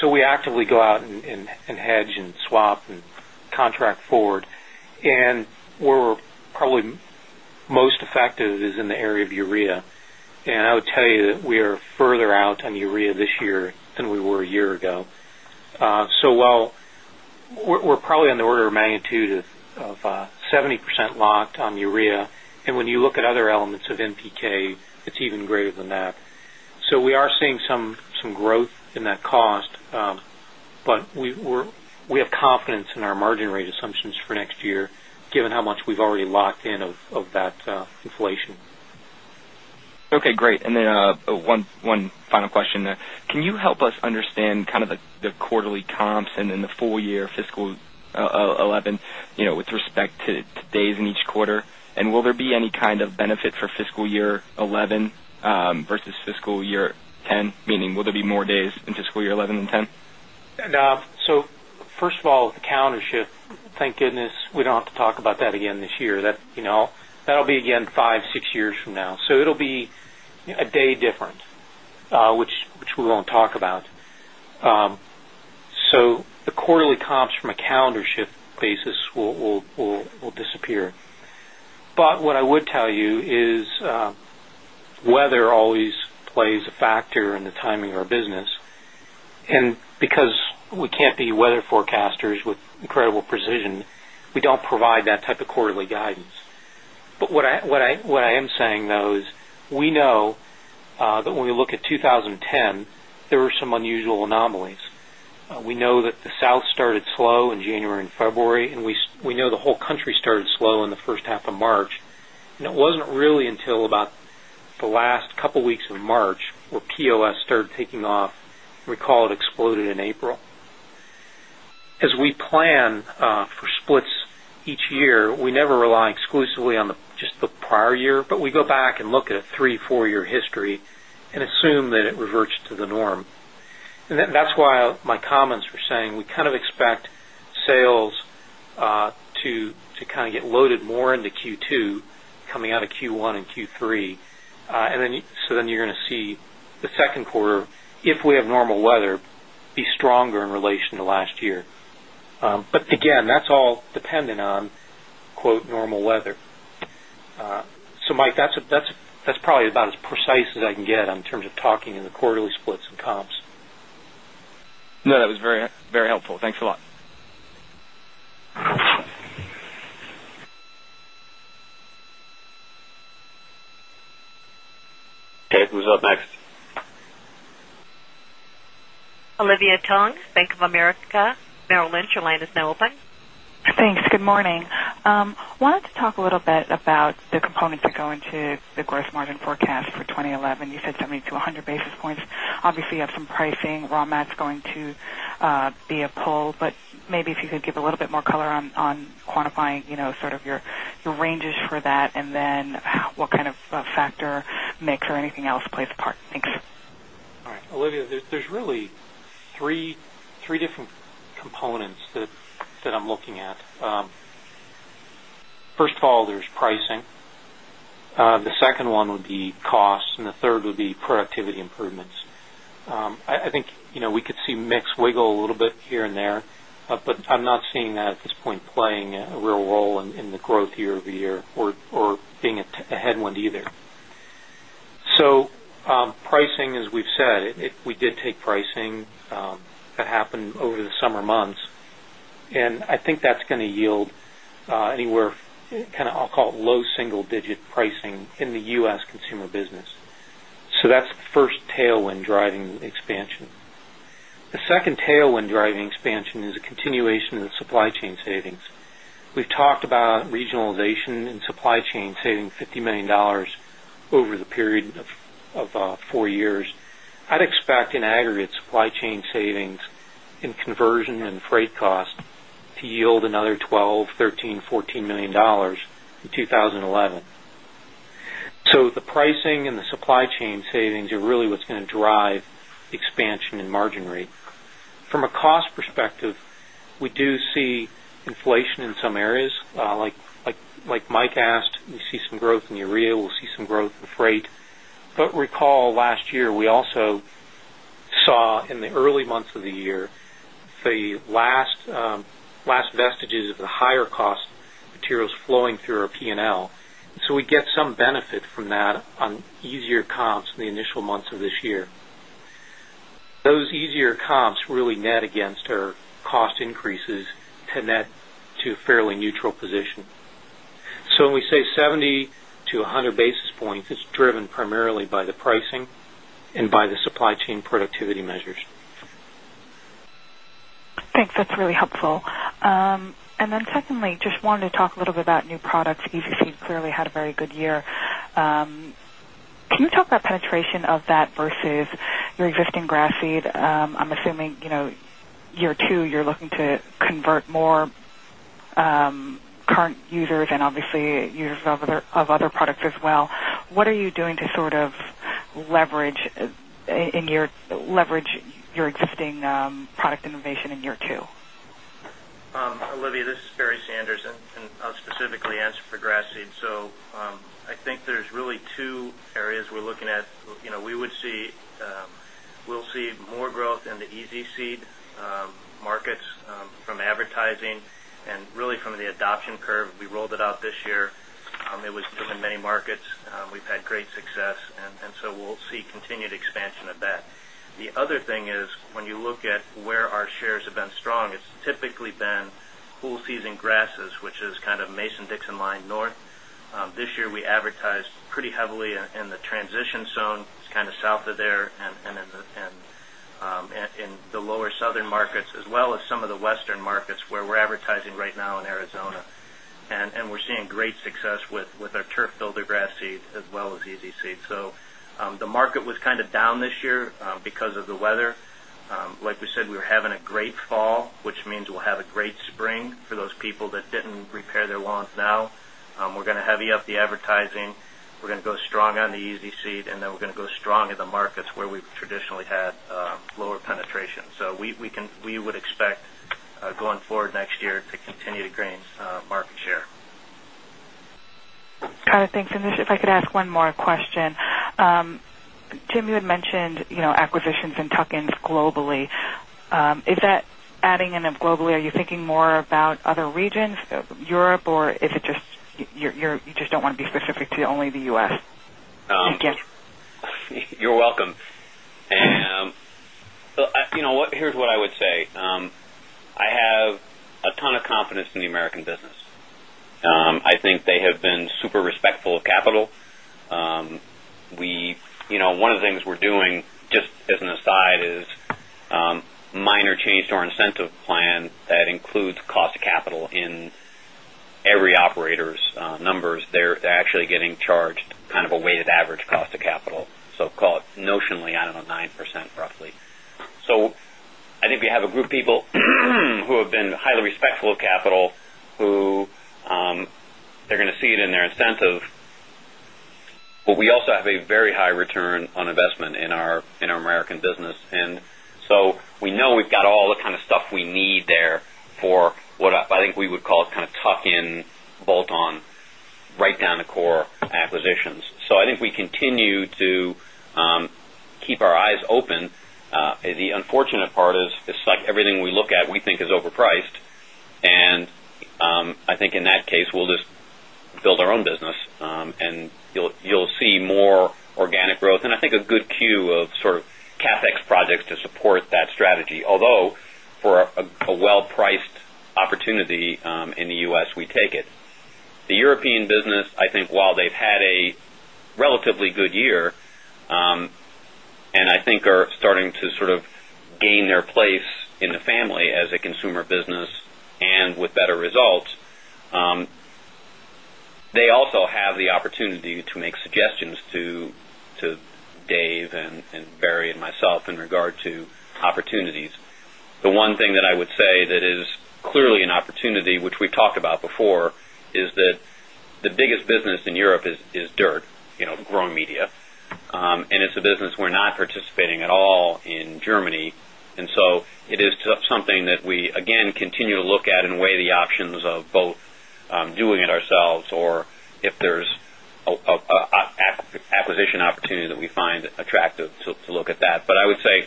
so we actively go out and hedge and swap and contract forward. And we're probably most effective is in the area of urea. And I would tell you that we are further out on urea this year than we were a year ago. So while we're probably on the order of magnitude of 70% locked on urea and when you look at other elements of NPK, it's even greater than that. So we are seeing some growth in that cost, but we have confidence in our margin rate assumptions for next year given how much we've already locked in of that inflation. Okay, great. And then one final question. Question. Can you help us understand kind of the quarterly comps and then the full year fiscal 2011 with respect to days in each quarter? And will there be any kind of benefit for fiscal year 2011 versus fiscal year 'ten, meaning will there be more days in fiscal year 'eleven and 'ten? So, first of all, the countership, thank goodness, we don't have to talk about that again this year. That will be again 5, 6 years from now. So it will be a day different, which we won't talk about. So the quarterly comps from a calendar shift basis will disappear. But what I would tell you is weather always plays a factor in the timing of our business. And because we can't be weather forecasters with incredible precision, we don't provide that type of quarterly guidance. But what I am saying though is, we know that when we look at 2010, there were some unusual anomalies. We know that the South started slow in January February and we know the whole country started slow in the first half of March. And it wasn't really until about the last couple of weeks of March where POS started taking off, recall it exploded in April. As we plan for splits each year, we never rely exclusively on just the prior year, but we go back and look at a 3, 4 year history and assume that it reverts to the norm. And that's why my comments were saying we kind of expect sales to kind of get loaded more into Q2 coming out of Q1 and Q3. And then so then you're going to see the Q2, if we have normal weather, be stronger in relation to last year. But again, that's all dependent on normal weather. So Mike, that's probably about as precise as I can get in terms of talking in the quarterly splits and comps. No, that was very lot. Olivia Tong, Bank of America Merrill Lynch. Your line is now open. Thanks. Good morning. Wanted to talk a little bit about the components that go into the gross margin forecast for 2011. You said 70 to 100 basis points. Obviously, you have some pricing, raw mats going to be a pull, but maybe if you could give a little bit more color on quantifying sort of your ranges for that and then what kind of factor mix or anything else plays part? Thanks. All right. Olivia, there's really 3 different components that I'm looking at. First of all, there's pricing. The second one would be cost and the third would be productivity improvements. I think we could see wiggle a little bit here and there, but I'm not seeing that at this point playing a real role in the growth year over year or being a headwind either. So pricing as we've said, we did take pricing that happened over the summer months. And I think that's going to yield anywhere kind of, I'll call it, low single digit pricing in the U. S. Consumer business. So that's the business. So that's the 1st tailwind driving expansion. The 2nd tailwind driving expansion is a continuation of the supply chain savings. We've talked about regionalization and supply chain saving $50,000,000 over the period of 4 years. I'd expect in aggregate supply chain savings in conversion and freight cost to yield another $12,000,000 $13,000,000 $14,000,000 in 20 11. So the pricing and the supply chain savings are really what's going to drive expansion in margin rate. From a cost perspective, we do see inflation in some areas like Mike asked, we see some growth in the Urea, we'll see some growth in freight. But recall last year, we also saw in the early months of the year, the last vestiges of the higher cost materials flowing through our P and L. So we get some benefit from that on easier comps in the initial months of this year. Those easier comps really net against our cost increases to net to fairly neutral position. So we say 70 to 100 basis points is driven primarily by the pricing and by the supply chain productivity measures. Thanks. That's really helpful. And then secondly, just wanted to talk a little about new products. EZ Seed clearly had a very good year. Can you talk about penetration of that versus your existing grass seed? I'm assuming year 2, you're looking to convert more current users and obviously users of other products existing product innovation in year 2? Olivia, this is Barry Sanders and I'll specifically answer for grass seed. So, I think there's really two areas we're looking at. We would see we'll see more growth in the easy seed markets from advertising and really from the adoption curve, we rolled it out this year. It was driven many markets. We've had great success and so we'll see continued expansion of that. The other thing is when you look at where our shares have been strong, it's typically been cool season grasses which is kind of Mason Dixon line north. This year we advertised pretty heavily in the transition zone, it's kind of south of there and in the lower southern markets as well as some of the western markets where we're advertising right now in Arizona. And we're seeing great success with our turf builder grass seed as well as easy seed. So the market was kind of down this year because of the weather. Like we said, we're having a great fall, which means we'll have a great spring for those people that didn't repair their lawns now. We're going to heavy up the advertising. We're going to go seat and then we're going to go strong in the markets where we've traditionally had lower penetration. So, we can we would expect gain market share. Got it. Thanks. And just if I could ask one more question. Jim, you had mentioned acquisitions and tuck ins globally. Is that adding in globally? Are you thinking more about other regions, Europe? Or is it just you just don't want to be specific to only the U. S? Thank you. You're welcome. Here's what I would say. I have a ton of confidence in the American business. I think they have been super respectful of capital. We one of the things we're doing just as an aside is minor change to our incentive plan that includes cost of capital in every operator's numbers. They're actually getting charged kind of a weighted average cost of capital. So call it notionally, I don't know, 9% roughly. So I think we have a group of people who have been highly respectful of American business American business. And so we know we've got all the kind of stuff we need there for what I think we would call it kind of tuck in bolt on right down the core acquisitions. So I think we continue to keep our eyes open. The unfortunate our own business and you'll see more organic growth and I think a good queue of sort of CapEx projects to support that strategy, although for a well priced opportunity in the U. S. We take it. The European business, I think while they've had a relatively good year, and I think are starting to sort of gain their place in the family as a consumer business and with better results. They also have the opportunity make suggestions to Dave and Barry and myself in regard to opportunities. The one thing that I would say that is clearly an opportunity, which we talked about before is that the biggest business in dirt, growing media. And it's a business we're not participating at all in both doing it ourselves or if there's acquisition opportunities that we find attractive to look at that. But I would say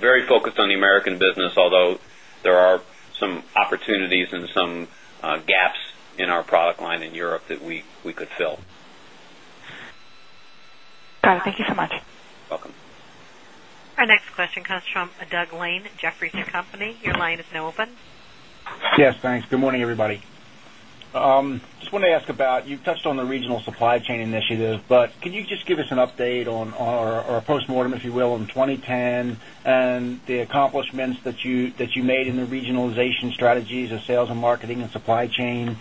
very focused on the American business, although there are some opportunities and some gaps in our product line in Europe that we could fill. Thank you. Thank you. Thank you. Our next question comes from Doug Lane, Jefferies and Company. Your line is now open. Yes, thanks. Good morning, everybody. Just wanted to ask about you've touched on the regional supply chain initiative, but can you just give us an update on our post mortem if you will in 2010 and the accomplishments that you made in the regionalization strategies of sales and marketing and supply chain?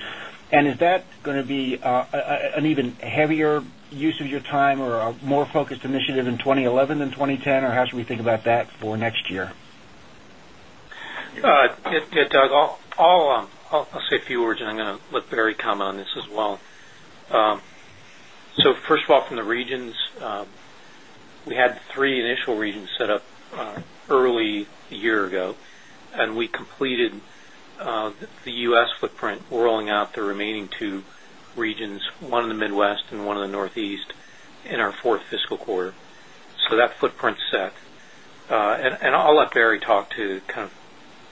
And is that going to be an even heavier use of your time or a more focused initiative in 2011 than 2010 or how should we think about that for next year? Yes, Doug. I'll say a few words and I'm going to let Barry comment on this as well. So first of all from the regions, we had 3 initial regions set up early a year ago and we completed the U. S. Footprint rolling out the remaining two regions, 1 in the Midwest and 1 in the Northeast in our 4th fiscal quarter. So that footprint set. And I'll let Barry talk to kind of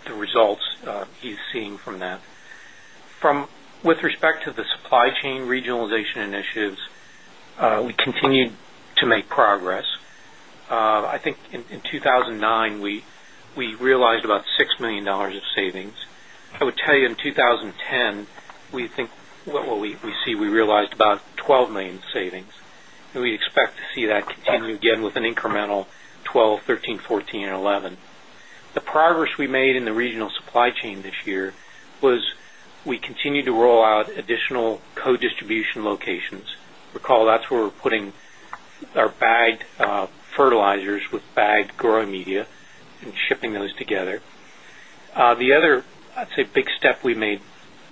the results he's seeing from that. From with respect to the $6,000,000 of savings. I would tell you in $6,000,000 of savings. I would tell you in 2010, we think what we see we realized about $12,000,000 savings and we expect to see that continue again with an incremental $12,000,000 expect to see that continue again with an incremental $12,000,000 $13,000,000 $14,000,000 and $11,000,000 The progress we made in the regional supply chain this year was we continue to roll out additional co year was we continue to roll out additional co distribution locations. Recall that's where we're putting our bagged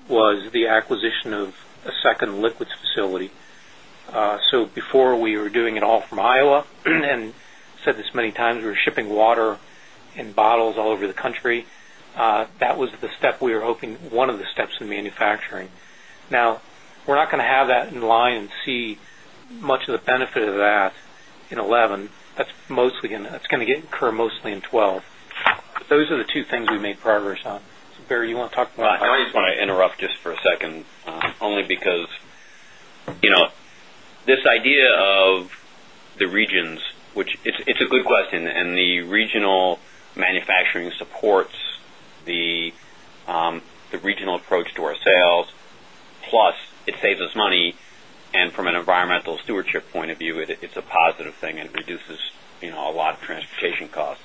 the acquisition of a second liquids facility. So before we were doing it all from Iowa and said this many times, we were shipping water in bottles all over the country. That was the step we were hoping one of the steps in manufacturing. Now we're not going to have that in line and see much of the benefit of that in 'eleven, that's mostly going to that's going to get incurred mostly in 'twelve. Those are the 2 things we made progress on. So Barry, you want to talk about that? I just want to interrupt just for a second only because this idea of the regions, which it's a good question and the regional manufacturing supports the regional approach to our sales, plus it saves us money and from an environmental stewardship point of view, it's a positive thing and it reduces a lot of transportation costs.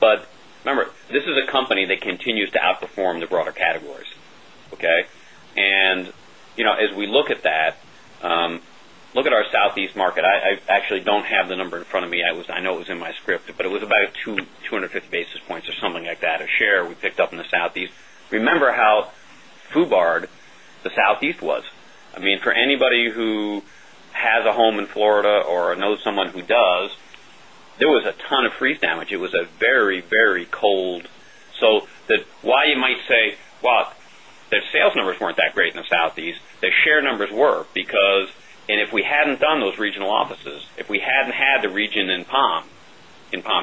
But remember, this is a company that continues to outperform the broader categories, okay? And as we look at that, look at our Southeast market, I actually don't have the number in front of me. I know it was in my script, but it was about 2 50 basis points or something like that a share we picked up in the Southeast. Remember how fubared the Southeast was. I mean for anybody who has a home in Florida or know someone who does, there was a ton of freeze damage. It was a very, very cold. So why you might say, well, their sales numbers weren't that great in the Southeast, their share numbers were because and if we hadn't done those regional offices, if we hadn't had the region in Palm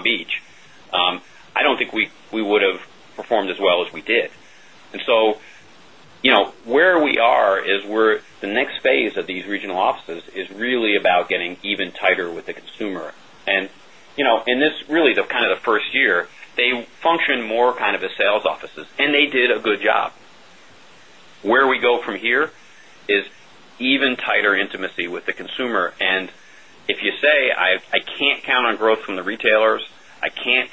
Beach, I don't think we would have performed as well as we did. And so where we are is where the next phase of these regional offices is really about getting even tighter with the consumer. And this really the kind of the 1st year, they function more kind of as sales offices and they did a good job. Where we go from here is even tighter intimacy with the consumer. And if you say I can't count on growth from the retailers, I can't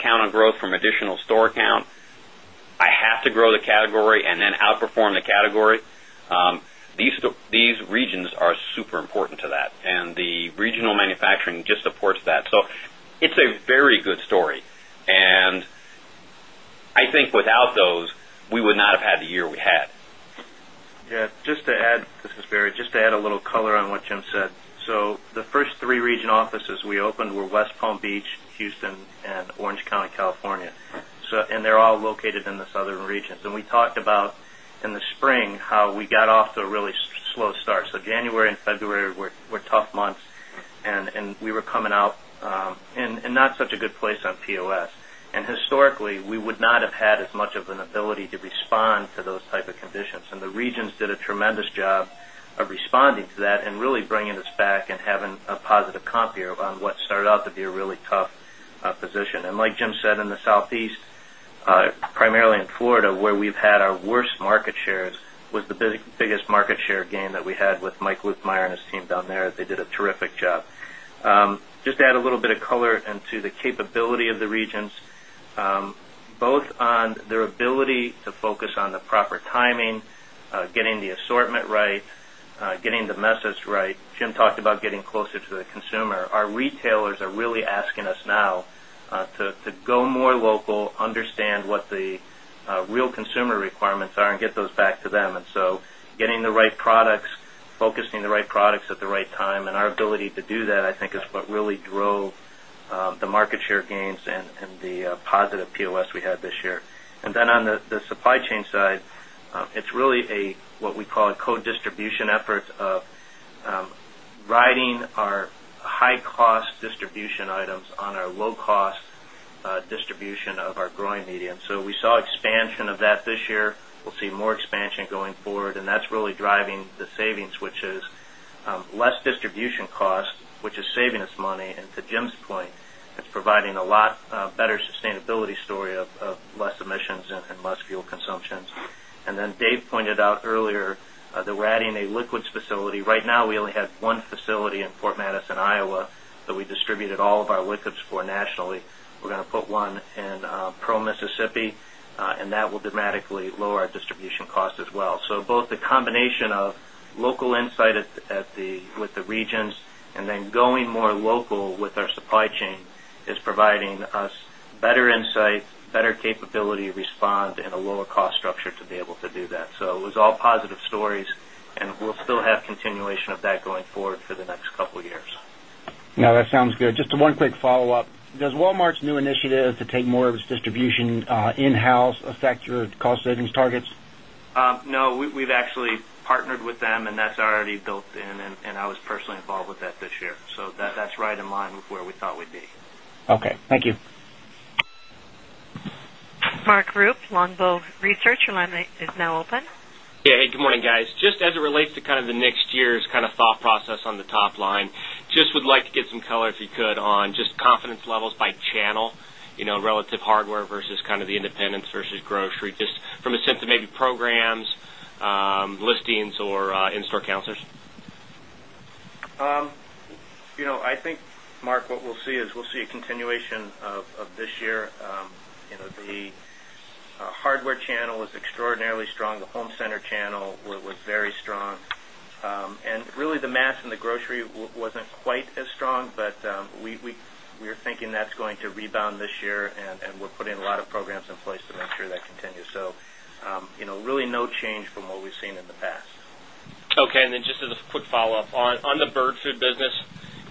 these regions are super important to that and the regional manufacturing just supports that. So it's a very good story. And I think without those, we would not have had the year we had. Yes, just to add this is Barry. Just to add a little color on what Jim said. So the first three region offices we opened were West Palm Beach, Houston and Orange County, California. And they're all located in the southern regions. And we talked about in the spring how we got off to a really slow start. So, January February were tough months and we were coming out and not such a good place on POS. And historically, we would not have had as much of an ability to respond to those type of conditions. And the regions did a tremendous job of responding to that and really bringing us back and having a positive comp here on what started out to be a really tough position. And like Jim said in the Southeast primarily in Florida where we've had our worst market shares was the biggest market share gain that we had with Mike Luthmyer and his team down there. They did a terrific job. Just to add a little bit of color into the capability of the proper timing, getting the assortment right, getting the message right. Jim talked about getting closer to the consumer. Our retailers are really asking us now to go more local understand what the real consumer requirements are and get those back to them. And so getting the products, focusing the right products at the right time and our ability to do that I think is what really drove the market share gains and the positive POS we had this year. And then on the supply chain side, it's really a what we call a co distribution efforts of riding our high cost distribution items on our low cost distribution of our growing medium. So, we saw expansion of that this year. We'll see more expansion going forward and that's really driving the savings which is less distribution cost which is out earlier that we're adding a liquids facility. Right now we only had one facility in Fort Madison, Iowa that we distributed all of our for nationally. We're going to put 1 in Pearl, Mississippi and that will dramatically lower our distribution costs as well. So both the capability to respond in a lower cost structure to be able to do that. So it was all positive stories and we'll still have continuation of that going forward for the next couple of years. That sounds good. Just one quick follow-up. Does Walmart's new initiative to take more of its distribution in house affect your cost savings targets? No, we've actually partnered with them and that's already built in and I was personally involved with that this year. So that's right in line with we thought we'd be. Okay. Thank you. Mark Group, Longbow Research. Your line is now Just as it relates to kind of the next year's kind of thought process on the top line, just would like to get some color if you could on just confidence levels by channel relative hardware versus kind of the independents versus grocery, just from a sense of maybe programs, listings or store counselors? I think, Mark, what we'll see is we'll see a continuation of this year. The hardware channel is extraordinarily strong. The home center channel was very strong. And really the mass in the grocery wasn't quite as strong, but we are thinking that's going to rebound this year and we're putting a lot of programs in place to make sure that continues. So really no change from what we've seen in the past. Okay. And then just as a quick follow-up on the bird food business,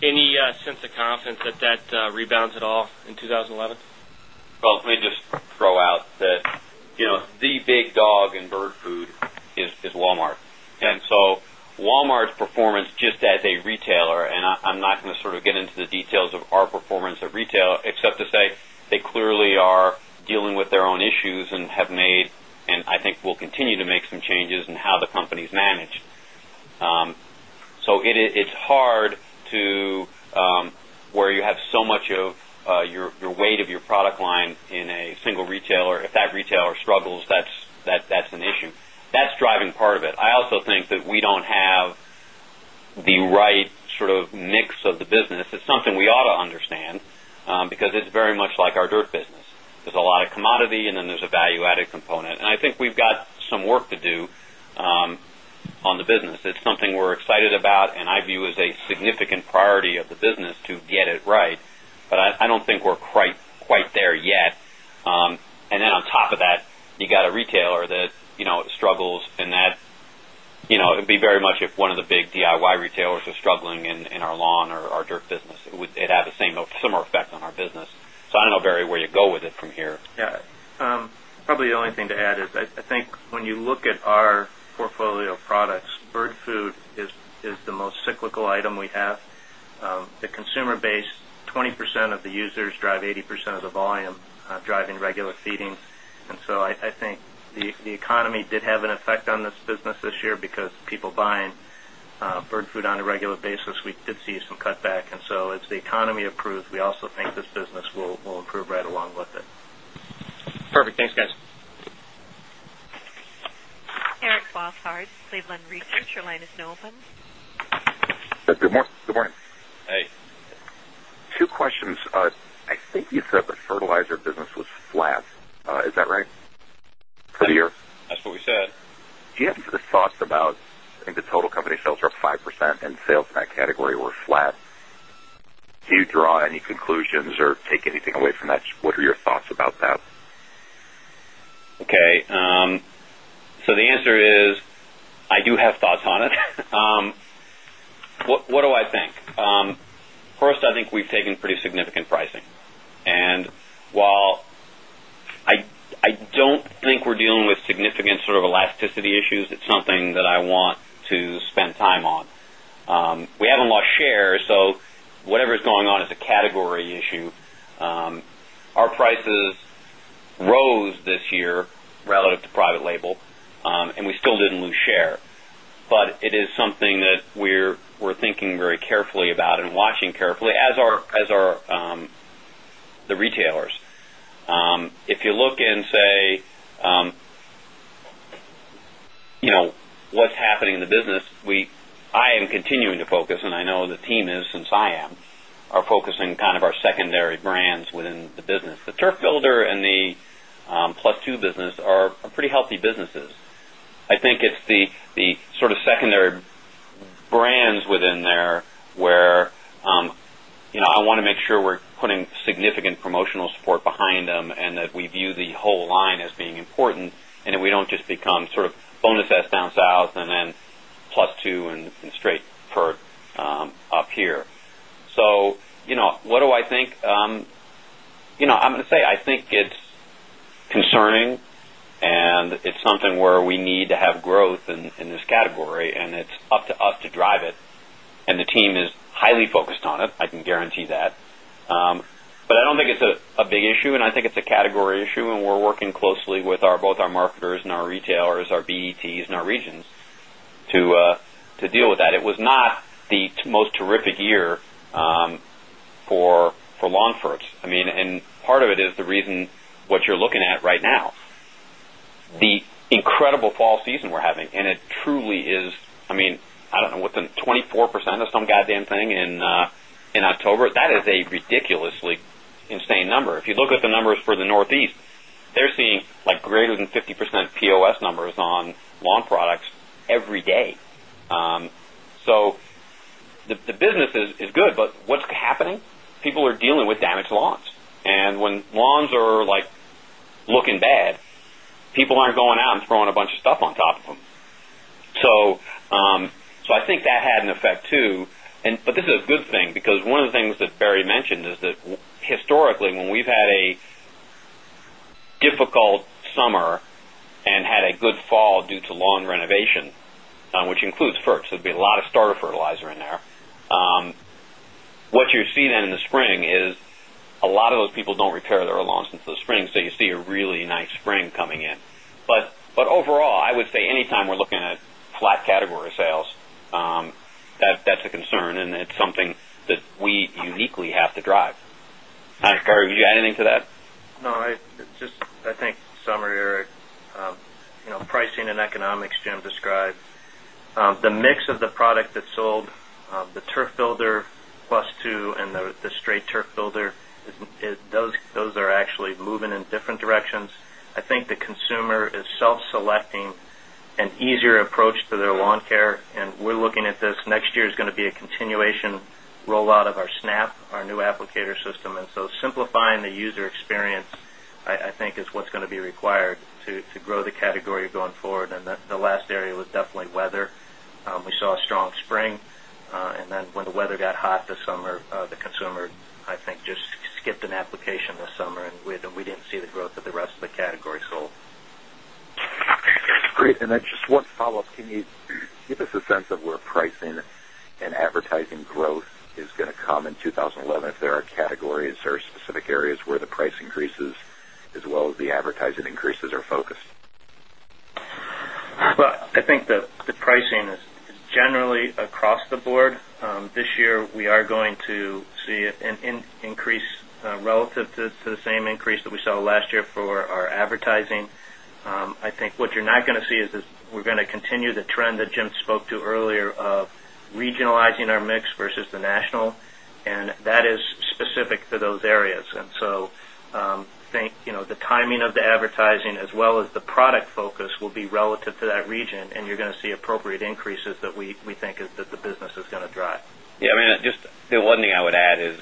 any sense of confidence that that rebounds at all in 2011? Well, let me just throw out that the big dog in bird food is Walmart. And so, Wal Mart's performance just as a retailer and I'm not going to sort of get into the details of our performance at retail except to say they clearly are dealing with their own issues and have made and I think will continue to make some changes in how the company is managed. So it's hard to where you have so much of your weight of your product line in a single retailer, if that retailer struggles, that's an issue. That's driving part of it. I also think that we don't have the right sort of mix of the business. It's something we ought to understand, because it's very much like our dirt business. There's a lot of commodity and then there's a value added component. And I think we've got some work to do on the business. It's something we're excited about and I view as a significant priority of the business to get it right. But I don't think we're quite there yet. And then on top of that, you got a retailer that struggles in that, it'd very much if one of the big DIY retailers are struggling in our lawn or our dirt business. It would have the same or similar effect on our business. So, I don't know, Barry, where you go with it from here. Probably the only thing to add is, I think when you look at our portfolio of products, bird food is the most cyclical item we The consumer base 20% of the users drive 80% of the volume driving regular feedings. And so, I think the economy did have an effect on this business this year because people buying bird food on a regular basis, we did see some cutback. And so as the economy improves, we also think this business will improve right along with it. Perfect. Thanks, guys. Eric Bosshard, Cleveland Research. Your line is now open. Good morning. Hey. Two questions. I think you said the fertilizer business was flat, is that right? That's what we said. Do you have any thoughts about, I think the total company sales were up 5% and sales in that category were flat. Can you draw any conclusions or take anything away from that? What are your thoughts about that? Okay. So the answer is, I do have thoughts on it. What do I think? First, I think we've taken pretty significant pricing. And while I don't think we're dealing with significant sort of elasticity issues, it's something that I want to spend time on. We haven't lost share, so whatever is going on is a category issue. Our prices rose this year relative to private label and we didn't lose share. But it is something that we're thinking very carefully about and watching carefully as team is to focus and I know the team is since I am, are focusing kind of our secondary brands within the business. The turf builder and the plus 2 business are pretty healthy businesses. I think it's the sort of secondary brands within there where I want to make sure we're putting significant promotional support behind them and that we view the whole line as being important and we don't just become sort of down south and then plus 2 and straight for up here. So what do I think? I'm going to say, I think it's concerning and it's something where we need to have growth in this category and it's up to us to drive it. And the team is highly focused on it, I can guarantee that. But I don't think it's a big issue and I think it's a category issue and we're working closely with our both our marketers and our retailers, our BDTs and our regions to deal with that. It was not the most terrific year for lawn farts. I mean, and part of it is the reason what you're looking at right now. The incredible fall season we're having and it truly is, I mean, I don't within 24% of some goddamn thing in October, that is a ridiculously insane number. If you look at the numbers for the Northeast, they're seeing like greater than 50% POS numbers on lawn products every day. So the business good, but what's happening, people are dealing with damaged lawns. And when lawns are like looking bad, people aren't going out and throwing a bunch of stuff on top of them. So I think that had an effect too, but this is a good thing because one of the things that Barry mentioned is that historically when we've had a difficult summer and had a good fall due to lawn renovation, which includes ferts, there'd be a lot of starter fertilizer in there. What you see then in the spring is a lot of people don't repair their lawns into the spring. So you see a really nice spring coming in. But overall, I would say anytime we're looking at flat category sales, that's a concern and it's something that we uniquely have to drive. Ashok, Curry, would you add anything to that? No, I just I think summary Eric, pricing and economics Jim described, The mix of the product that sold the turf builder plus 2 and the straight turf builder, those are actually moving in different directions. I think the consumer is self selecting an easier approach to their lawn care and we're looking at this next year is going to be a continuation rollout of our SNAP, our new applicator system. And so simplifying the user experience I think is what's going to be required to grow the category going forward. And the last area was definitely weather. We saw a strong spring and then when the weather got hot this summer, the consumer I think just skipped an application this summer and we didn't see the growth of the rest of the category sold. Great. And then just one follow-up, can you give us a sense of where pricing and advertising growth is going to come in 2011, if there are categories or specific areas where the price increases as well as the advertising increases are focused? Well, I think the earlier of regionalizing our mix versus the the trend that Jim spoke to earlier of regionalizing our mix versus the national and that is specific to those areas. And so, I think the advertising as well as the product focus will be relative to that region and you're going to see appropriate increases that we think is that the business is going drive. Yes, I mean, just one thing I would add is,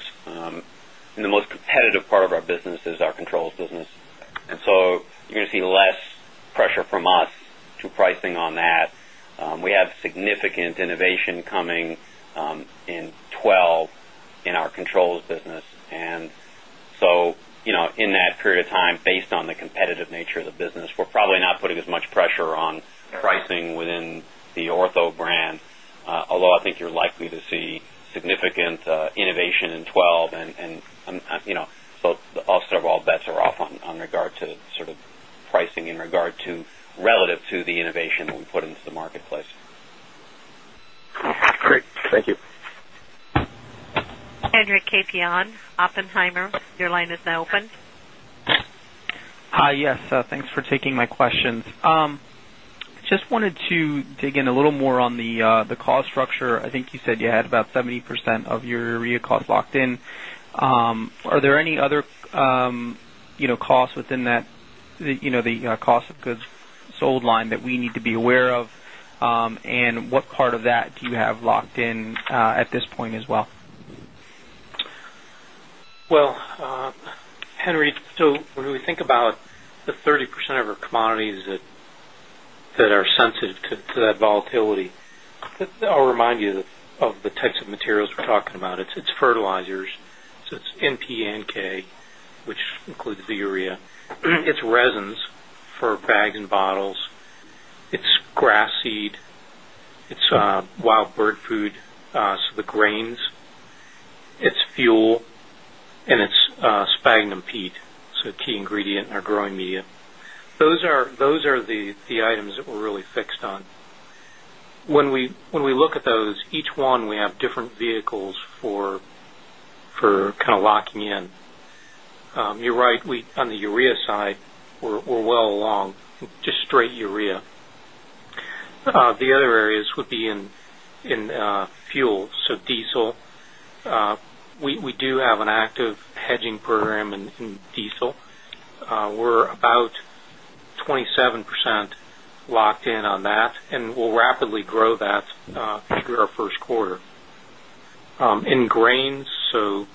the most competitive part of our business is our controls business. And so you're going to see less pressure from us to pricing on that. We have significant innovation coming in 'twelve in our controls business. And so in that period of time based on the competitive nature of the business, we're probably not putting as much pressure on pricing within the ortho brand, although I think you're likely to see significant innovation in 'twelve and so all bets are off on regard to sort of pricing in regard to relative to the innovation we put into the marketplace. Great. Thank you. Andrew Kaipian, Oppenheimer. Your line is now Just wanted to dig in a little more on the cost structure. I think you said you had about 70% of your urea cost locked in. Are there any other costs within that the cost of goods sold line that we need to be aware of? And what part of that do you have locked in at this point as well? Well, Henry, so when we think about the 30% of our our we're talking about, it's fertilizers, so it's NP and K, which includes the urea, it's resins for bags and bottles, its grass seed, its wild bird food, so the grains, its fuel and its sphagnum peat, so a key ingredient in our growing media. Those are the items that we're really fixed on. When we look at those, each one we have different vehicles for kind of locking in. You're right, on the urea side, we're well along, just straight urea. The other areas would be in fuel, so diesel. We do have an active hedging program in diesel. We're about 27% locked in on that and we'll rapidly grow that through Q1. In grains, so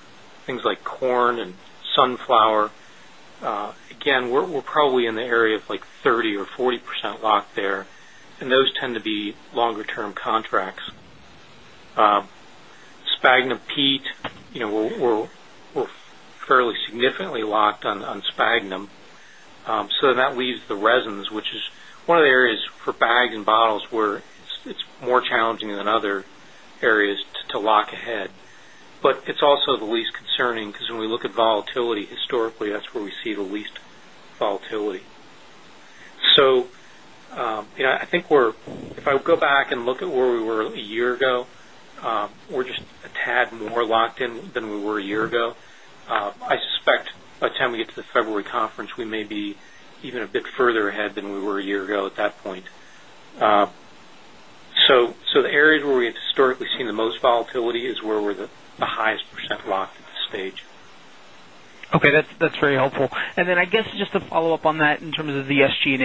things like corn and sunflower, again, we're probably in the area of like 30% or 40% locked there and those tend to be longer term contracts. Sphagnum, peat, we're fairly significantly locked on sphagnum. So that leaves the resins, which is one of the areas for bag and bottles where it's more challenging than other areas to lock ahead. But it's also the least concerning because when we look at volatility. So, I think we're if I go back and look at where we were a year ago, we're just a tad more locked in than we were a year ago. I suspect by So the areas where we have historically seen the most volatility is where we're the highest percent locked at this stage. Okay, that's very helpful. And then I guess just a follow-up on that in terms of the SG and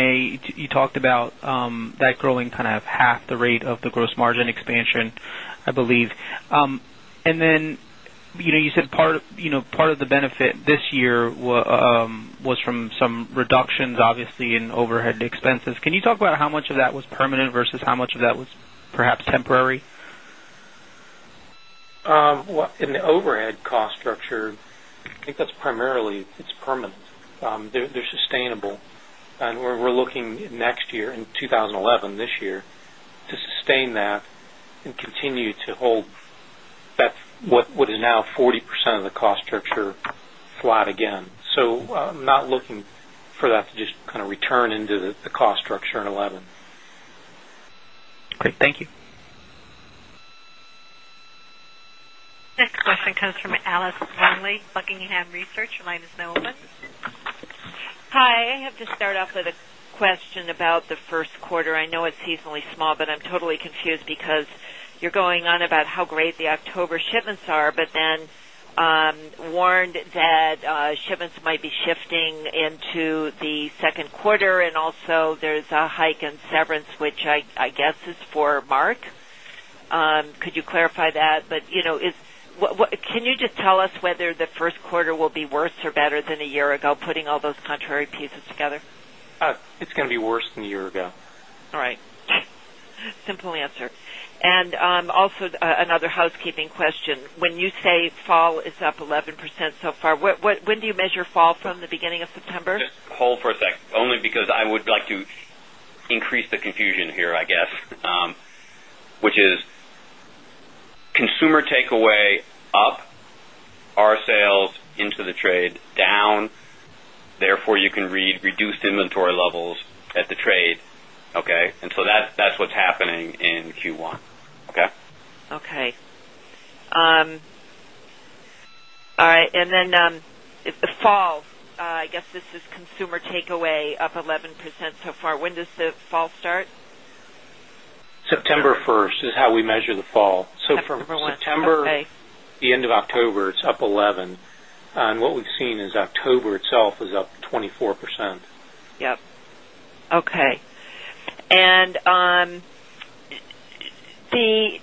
A, you talked about that growing kind of half the rate of the gross margin expansion, I believe. And then you said part of the benefit this year was from some reductions obviously in overhead expenses. Can you talk about how much of that was permanent versus how much of that was perhaps temporary? Well, in the overhead cost structure, I think that's primarily it's permanent. They're sustainable. And we're looking next year in 2011 this year to sustain that and continue to hold that what is now 40% of the cost structure flat again. So not looking for that to just return into the cost structure in 2011. Okay. Thank you. Next question the Q1. I know it's seasonally small, but I'm totally confused because you're going on about how great the October shipments are, but then warned that shipments might be shifting into the Q2 and also there's a hike in severance, which I guess is for Mark. Could you clarify that? But is can you just tell us whether the Q1 will be worse or better than a year ago putting all those contrary pieces together? It's going to be worse than a year ago. All right. Simple answer. And also another housekeeping question, when you say fall is up 11% so far, when do you measure fall from the beginning of September? Just hold for a sec, only because I would like to increase the confusion here, I guess, which is consumer takeaway up our sales into the trade down, therefore you can read reduced inventory levels at the trade, okay. And so that's what's happening in Q1, okay. Okay. All right. And then the fall, I guess this is consumer takeaway up 11% so far. When does the fall start? September 1 is how we measure the fall. September 1, okay. So from September, the end of October, it's up 11%. And what we've seen is October itself is up 24%. Yes. Okay. And the big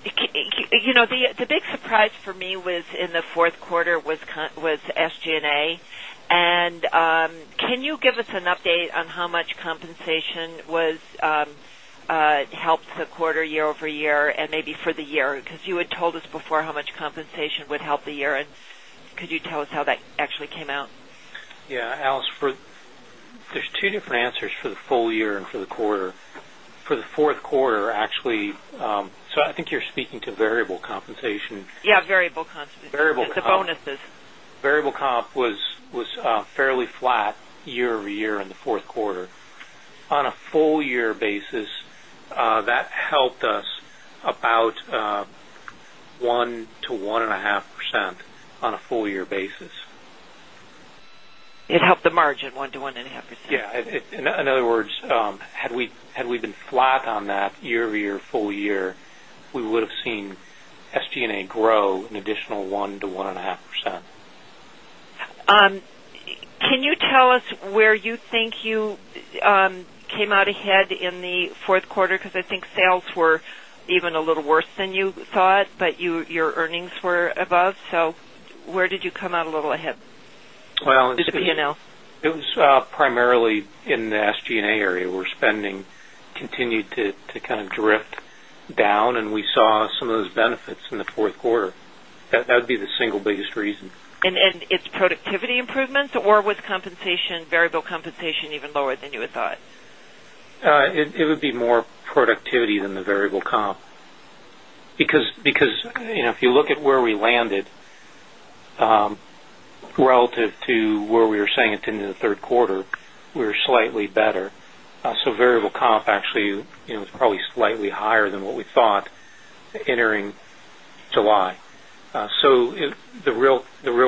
surprise for me was in the Q4 was SG and A. And can you give us an update on how much compensation was helped the quarter year over year and maybe for the year, because you had told us before how much compensation would help the year? And could you tell us how that actually came out? Yes. Alice, there's 2 different answers for the full year and for the quarter. For the Q4 actually, so I think you're speaking to variable compensation. Yes, variable compensation. Variable compensation. It's compensation. Variable comp. Variable comp was fairly flat year over year in the Q4. On a full year basis that helped us about 1% to 1.5% on a full year basis. It helped the margin 1% to 1.5%. Yes. In other words, had we been flat on that year over year full year, we would have seen SG and A grow an additional 1% to 1.5%. Can you tell us where you think you came out ahead in the Q4 because I think sales were even a little worse than you thought, but your earnings were above. So where did you come out a little ahead with the P and L? It was primarily in the SG and A area where spending continued to kind of drift down and we saw some of those benefits in the Q4. That would be the single biggest reason. And it's productivity improvements or was compensation variable compensation even lower than you had thought? It would be more productivity than the variable comp, because relative to where we were saying at the end of the Q3, we were slightly better. So variable comp actually is probably slightly higher than what we thought entering July. So the real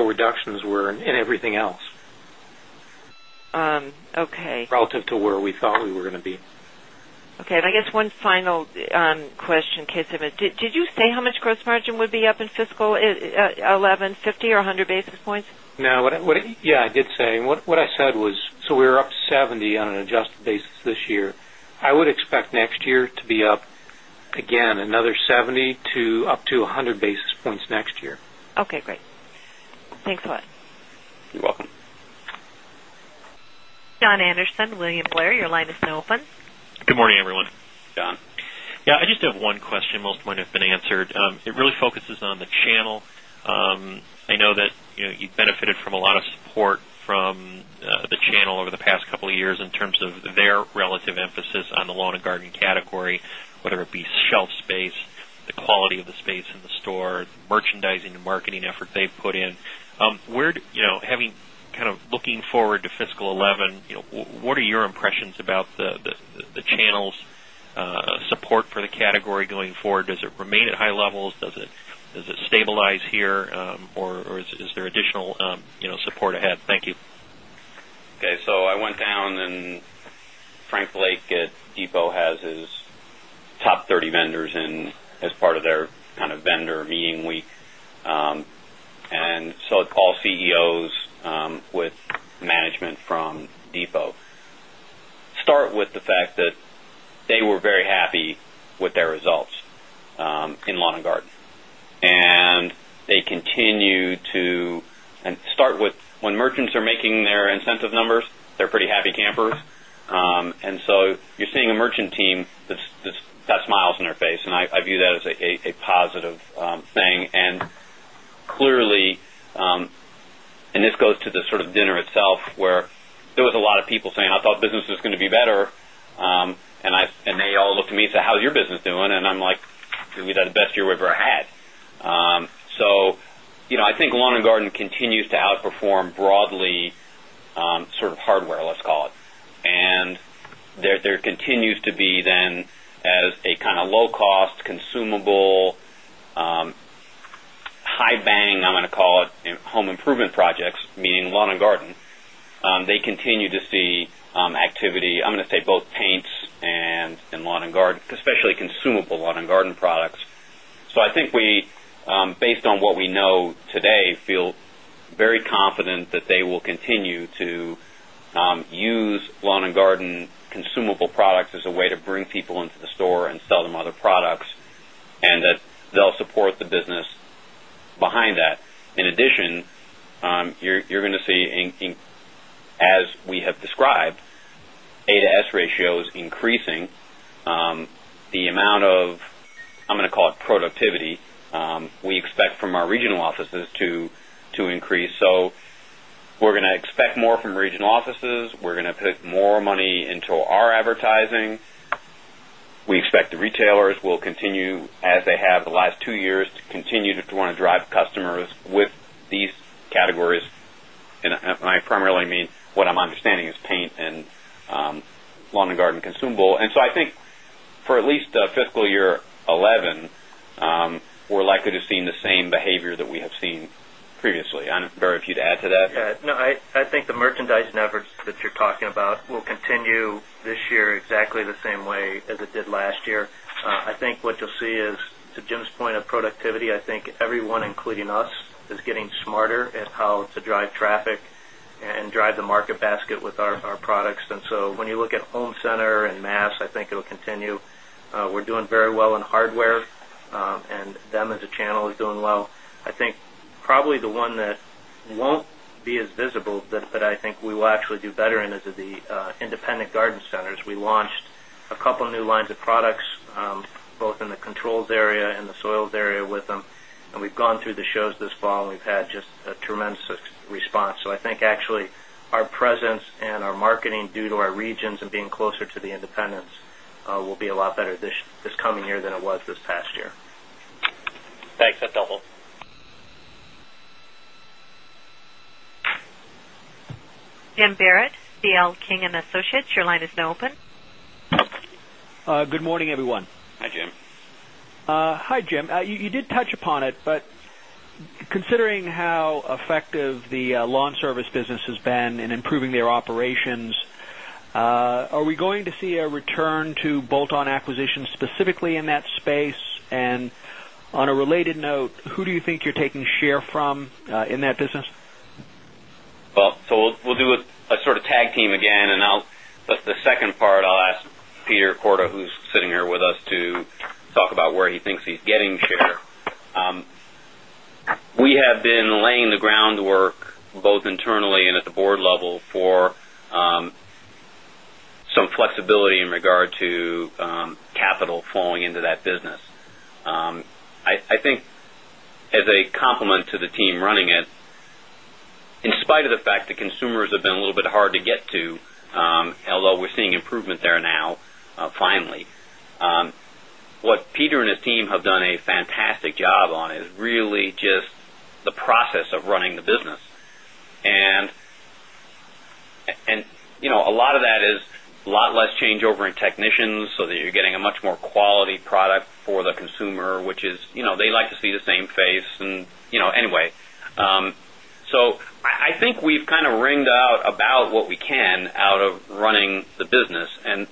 reductions were in everything else. Relative to where we thought we were going to be. Okay. And I guess one final question, Keshavar, did you say how much gross margin would be up in fiscal 11.50 or 100 basis points? No. Yes, I did say. What I said was, so we were up 70 on an adjusted basis this year. I would expect next year to be up again another 70 to up to 100 basis points next year. Okay, great. Thanks a lot. You're welcome. Anderson, William Blair. Your line is now open. Good morning, everyone. John. Yes, I just have one question, most of them have been answered. It really focuses on the channel. I know that you've benefited from a lot of support from the channel over the past couple of years in terms of their relative emphasis on the lawn and garden category, whether it be shelf space, the quality of the space in the store, merchandising and marketing effort they've put in. Where having kind of looking forward to fiscal 'eleven, what are your impressions about the channels support for the category going forward? Does it remain at high levels? Does it stabilize here? Or is there additional support ahead? Thank you. Okay. So I went down and Frank Blake at Depot has his top 30 vendors and as part of their kind of vendor meeting, we and so all CEOs with management they continue to start with when merchants are making their incentive numbers, they're pretty happy campers. And so you're seeing the sort of dinner itself where there was a lot of people saying, I thought business is going to be better. And they all look at me and say, how's your business doing? And I'm like, maybe that's the best year we've ever had. So I think lawn and garden continues to outperform broadly sort of hardware, let's call it. And there continues to be then as a kind of low cost consumable high bang, I'm going to call it home improvement projects, meaning lawn and garden. They continue to see activity, I'm going to say both paints and lawn and garden, especially consumable lawn and garden products. So I think lawn and garden consumable products as a way to bring people into the store and sell them other products and that they'll support the business behind that. In addition, to expect more from regional offices, we're going to put more money into our advertising. We expect the retailers will continue as they have the last two years to continue to want to drive customers with these categories. And I primarily mean what I'm understanding is paint and lawn and garden consumable. And so I think for at least fiscal year 2011, we're likely to see the same behavior that we have seen previously. Barry, if you'd add to that? Yes. No, I think the merchandising efforts that you're talking about will continue this year exactly the same way as it did last year. I think what you'll see is to Jim's point of productivity, I think everyone including us is getting smarter at how to drive traffic and drive the market basket with our products. And so when you look at home center and mass, I think it will continue. We're doing very well in hardware and them as a channel is doing well. I think probably the one that won't be as visible, but I think we will actually do better in the independent garden centers. We launched a couple of new lines of products both in the controls area marketing due to our regions and being closer to the independents will be a lot better this coming year than it was this past year. Thanks. I double. Jim upon it, but considering how effective the lawn service business has been in improving their operations, are we going to see a return to bolt on acquisitions specifically in that space? And on a related note, who do you think you're taking share from in that business? To talk about where he thinks he's getting share. We have been laying the groundwork both internally and at the Board level for some flexibility in regard to capital falling into that business. I think as a complement to the team running it, in spite of the fact that consumers have been a little bit hard to get to, although we're seeing improvement there now finally. What Peter and his team have done a fantastic job on is really just the process of running the business. And a lot of that is a lot less changeover in technicians, so that you're getting a much more quality product for the consumer, which is they like to see the same face and anyway. So I think we've kind of ringed out about what we can out of running the business and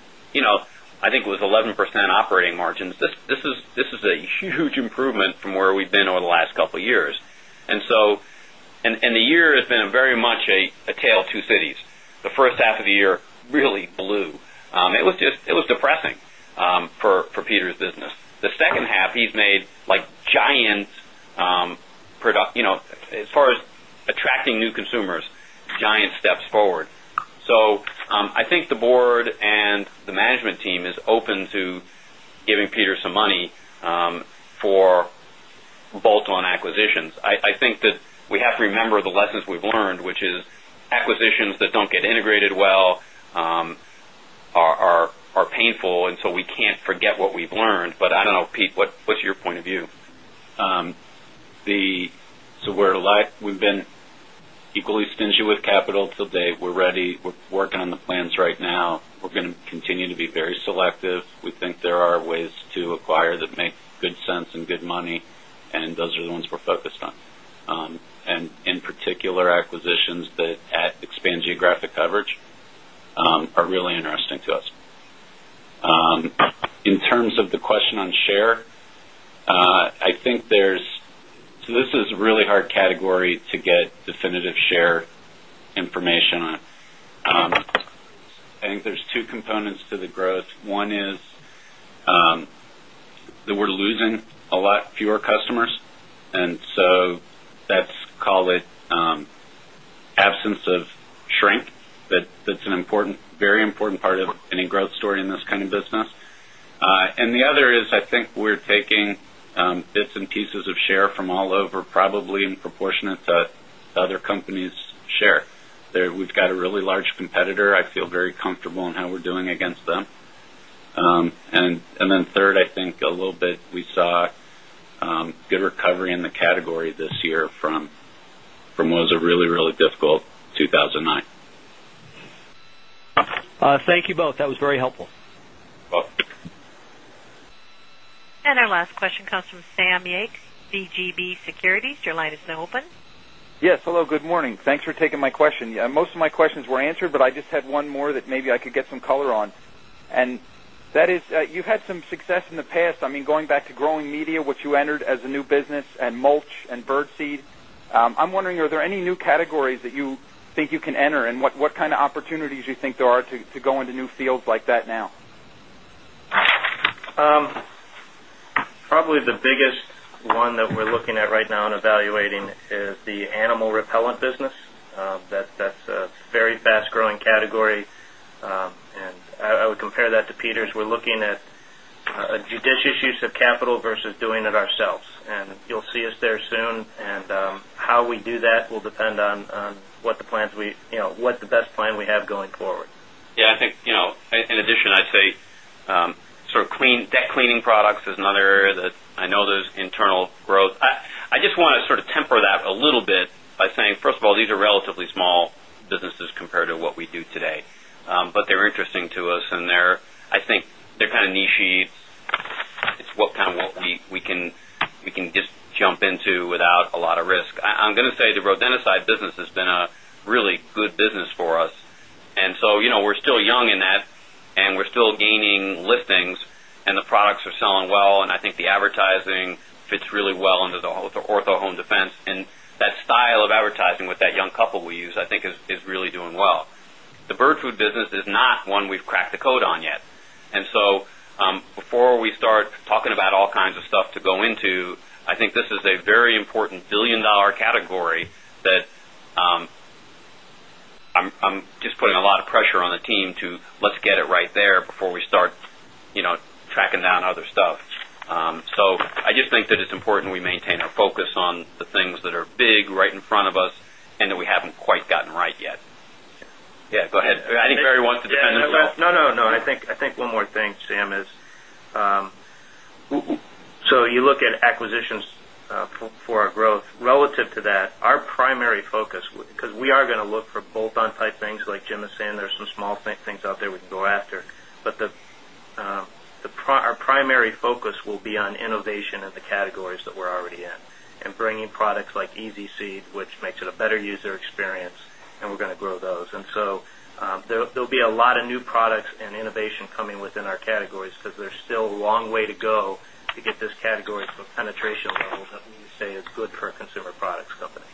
I think it was 11% operating margins. This is a huge improvement from where we've been over the last couple of years. And the year has been very much a tale of 2 cities. The first half of the year really blew. It was depressing for Peter's business. The second half he's made like giant as far as as far as attracting new consumers, giant steps forward. So I think the Board and the management team is open to giving is acquisitions that don't get integrated well are painful and so we can't forget what we've learned. But I don't know, Pete, what's your point of view? So we're like we've been equally stingy with capital to date. We're ready. We're working on the plans right now. We're going to continue to be very selective. We think there are ways to acquire that make good sense and good money, and those are the ones we're focused on. And in particular, acquisitions that expand geographic coverage are really interesting to us. In terms of the question on share, I think there's so this is really hard category to get definitive share information on it. I think there's 2 components to the growth. One is that we're losing a lot fewer customers. And so that's, call it, absence of shrink that's an important very important part of any growth story in this kind of business. And the other is, I think we're taking bits and pieces of share from all over probably in proportionate to other companies' share. We've got a really large competitor. I feel very comfortable in how we're doing against them. And then 3rd, I think a little bit we saw good recovery in the category this year from what was a really, really difficult 2,009. Thank you both. That was very helpful. You're welcome. And our last question comes from Sam Yeech, BGB Securities. Your line is now open. Yes, hello, good morning. Thanks for taking my question. Most of my questions were answered, but I just had one more that maybe I could get some color on. And that is, you've had some success in the past, I mean, going back to growing media, what you entered as a new business and mulch and birdseed. I'm wondering, are there any new categories that you think you can enter and what kind of opportunities you think there are to go into new fields like that now? Probably the biggest one that we're looking at right now and evaluating is the animal repellent business. That's a very fast growing category and I would compare that to Peter's. We're looking at a judicious use of capital versus doing it ourselves and you'll see us there soon and how we do that will depend on what the plans we what the best plan we have going forward. Yes, I think in addition, I'd say sort of clean debt cleaning products is another area that I know there's internal growth. I just want to sort of temper that a little bit by saying, first of all, these are relatively small businesses compared to what we do today. But they're interesting to us and they're I think they're kind of niche sheets. It's what kind of what we can just jump into without a lot of risk. I'm going to say the rodenticide business has been a really good business for us. And so we're still young in that and we're still gaining listings and the products are selling well. And I think the style of advertising with that lot of pressure on the team to let's get it right there before we start tracking down other stuff. So I just think that it's important we maintain our focus on the things that are big right in front of us and that we haven't quite gotten right yet. Yes, go ahead. I think Barry wants to depend on that. No, no, no. I think one more thing, Sam, is so you look at acquisitions for our growth relative to that our primary focus because we are going to look for bolt on type things like Jim is saying there are some small things out there we go after. But our primary focus will be on innovation of the categories that we're already in and bringing products like EZ Seed which makes it a better user experience and we're going to grow those. And so there'll be a lot of new products and innovation coming within our categories because there is still a long way to go to get this category from penetration levels that we say is good for a consumer products company.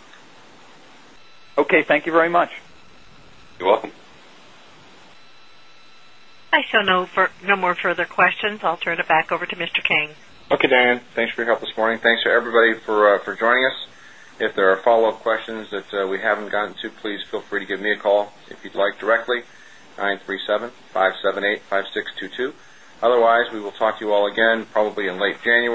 I show no more further questions. I'll turn it back over to Mr. King. Okay, Dan. Thanks for your help this morning. Thanks everybody for joining us. If there are follow-up questions that we haven't gotten to, please feel free to give me a call if you'd like directly 93 75785622. Otherwise, we will talk to you all again probably in late January.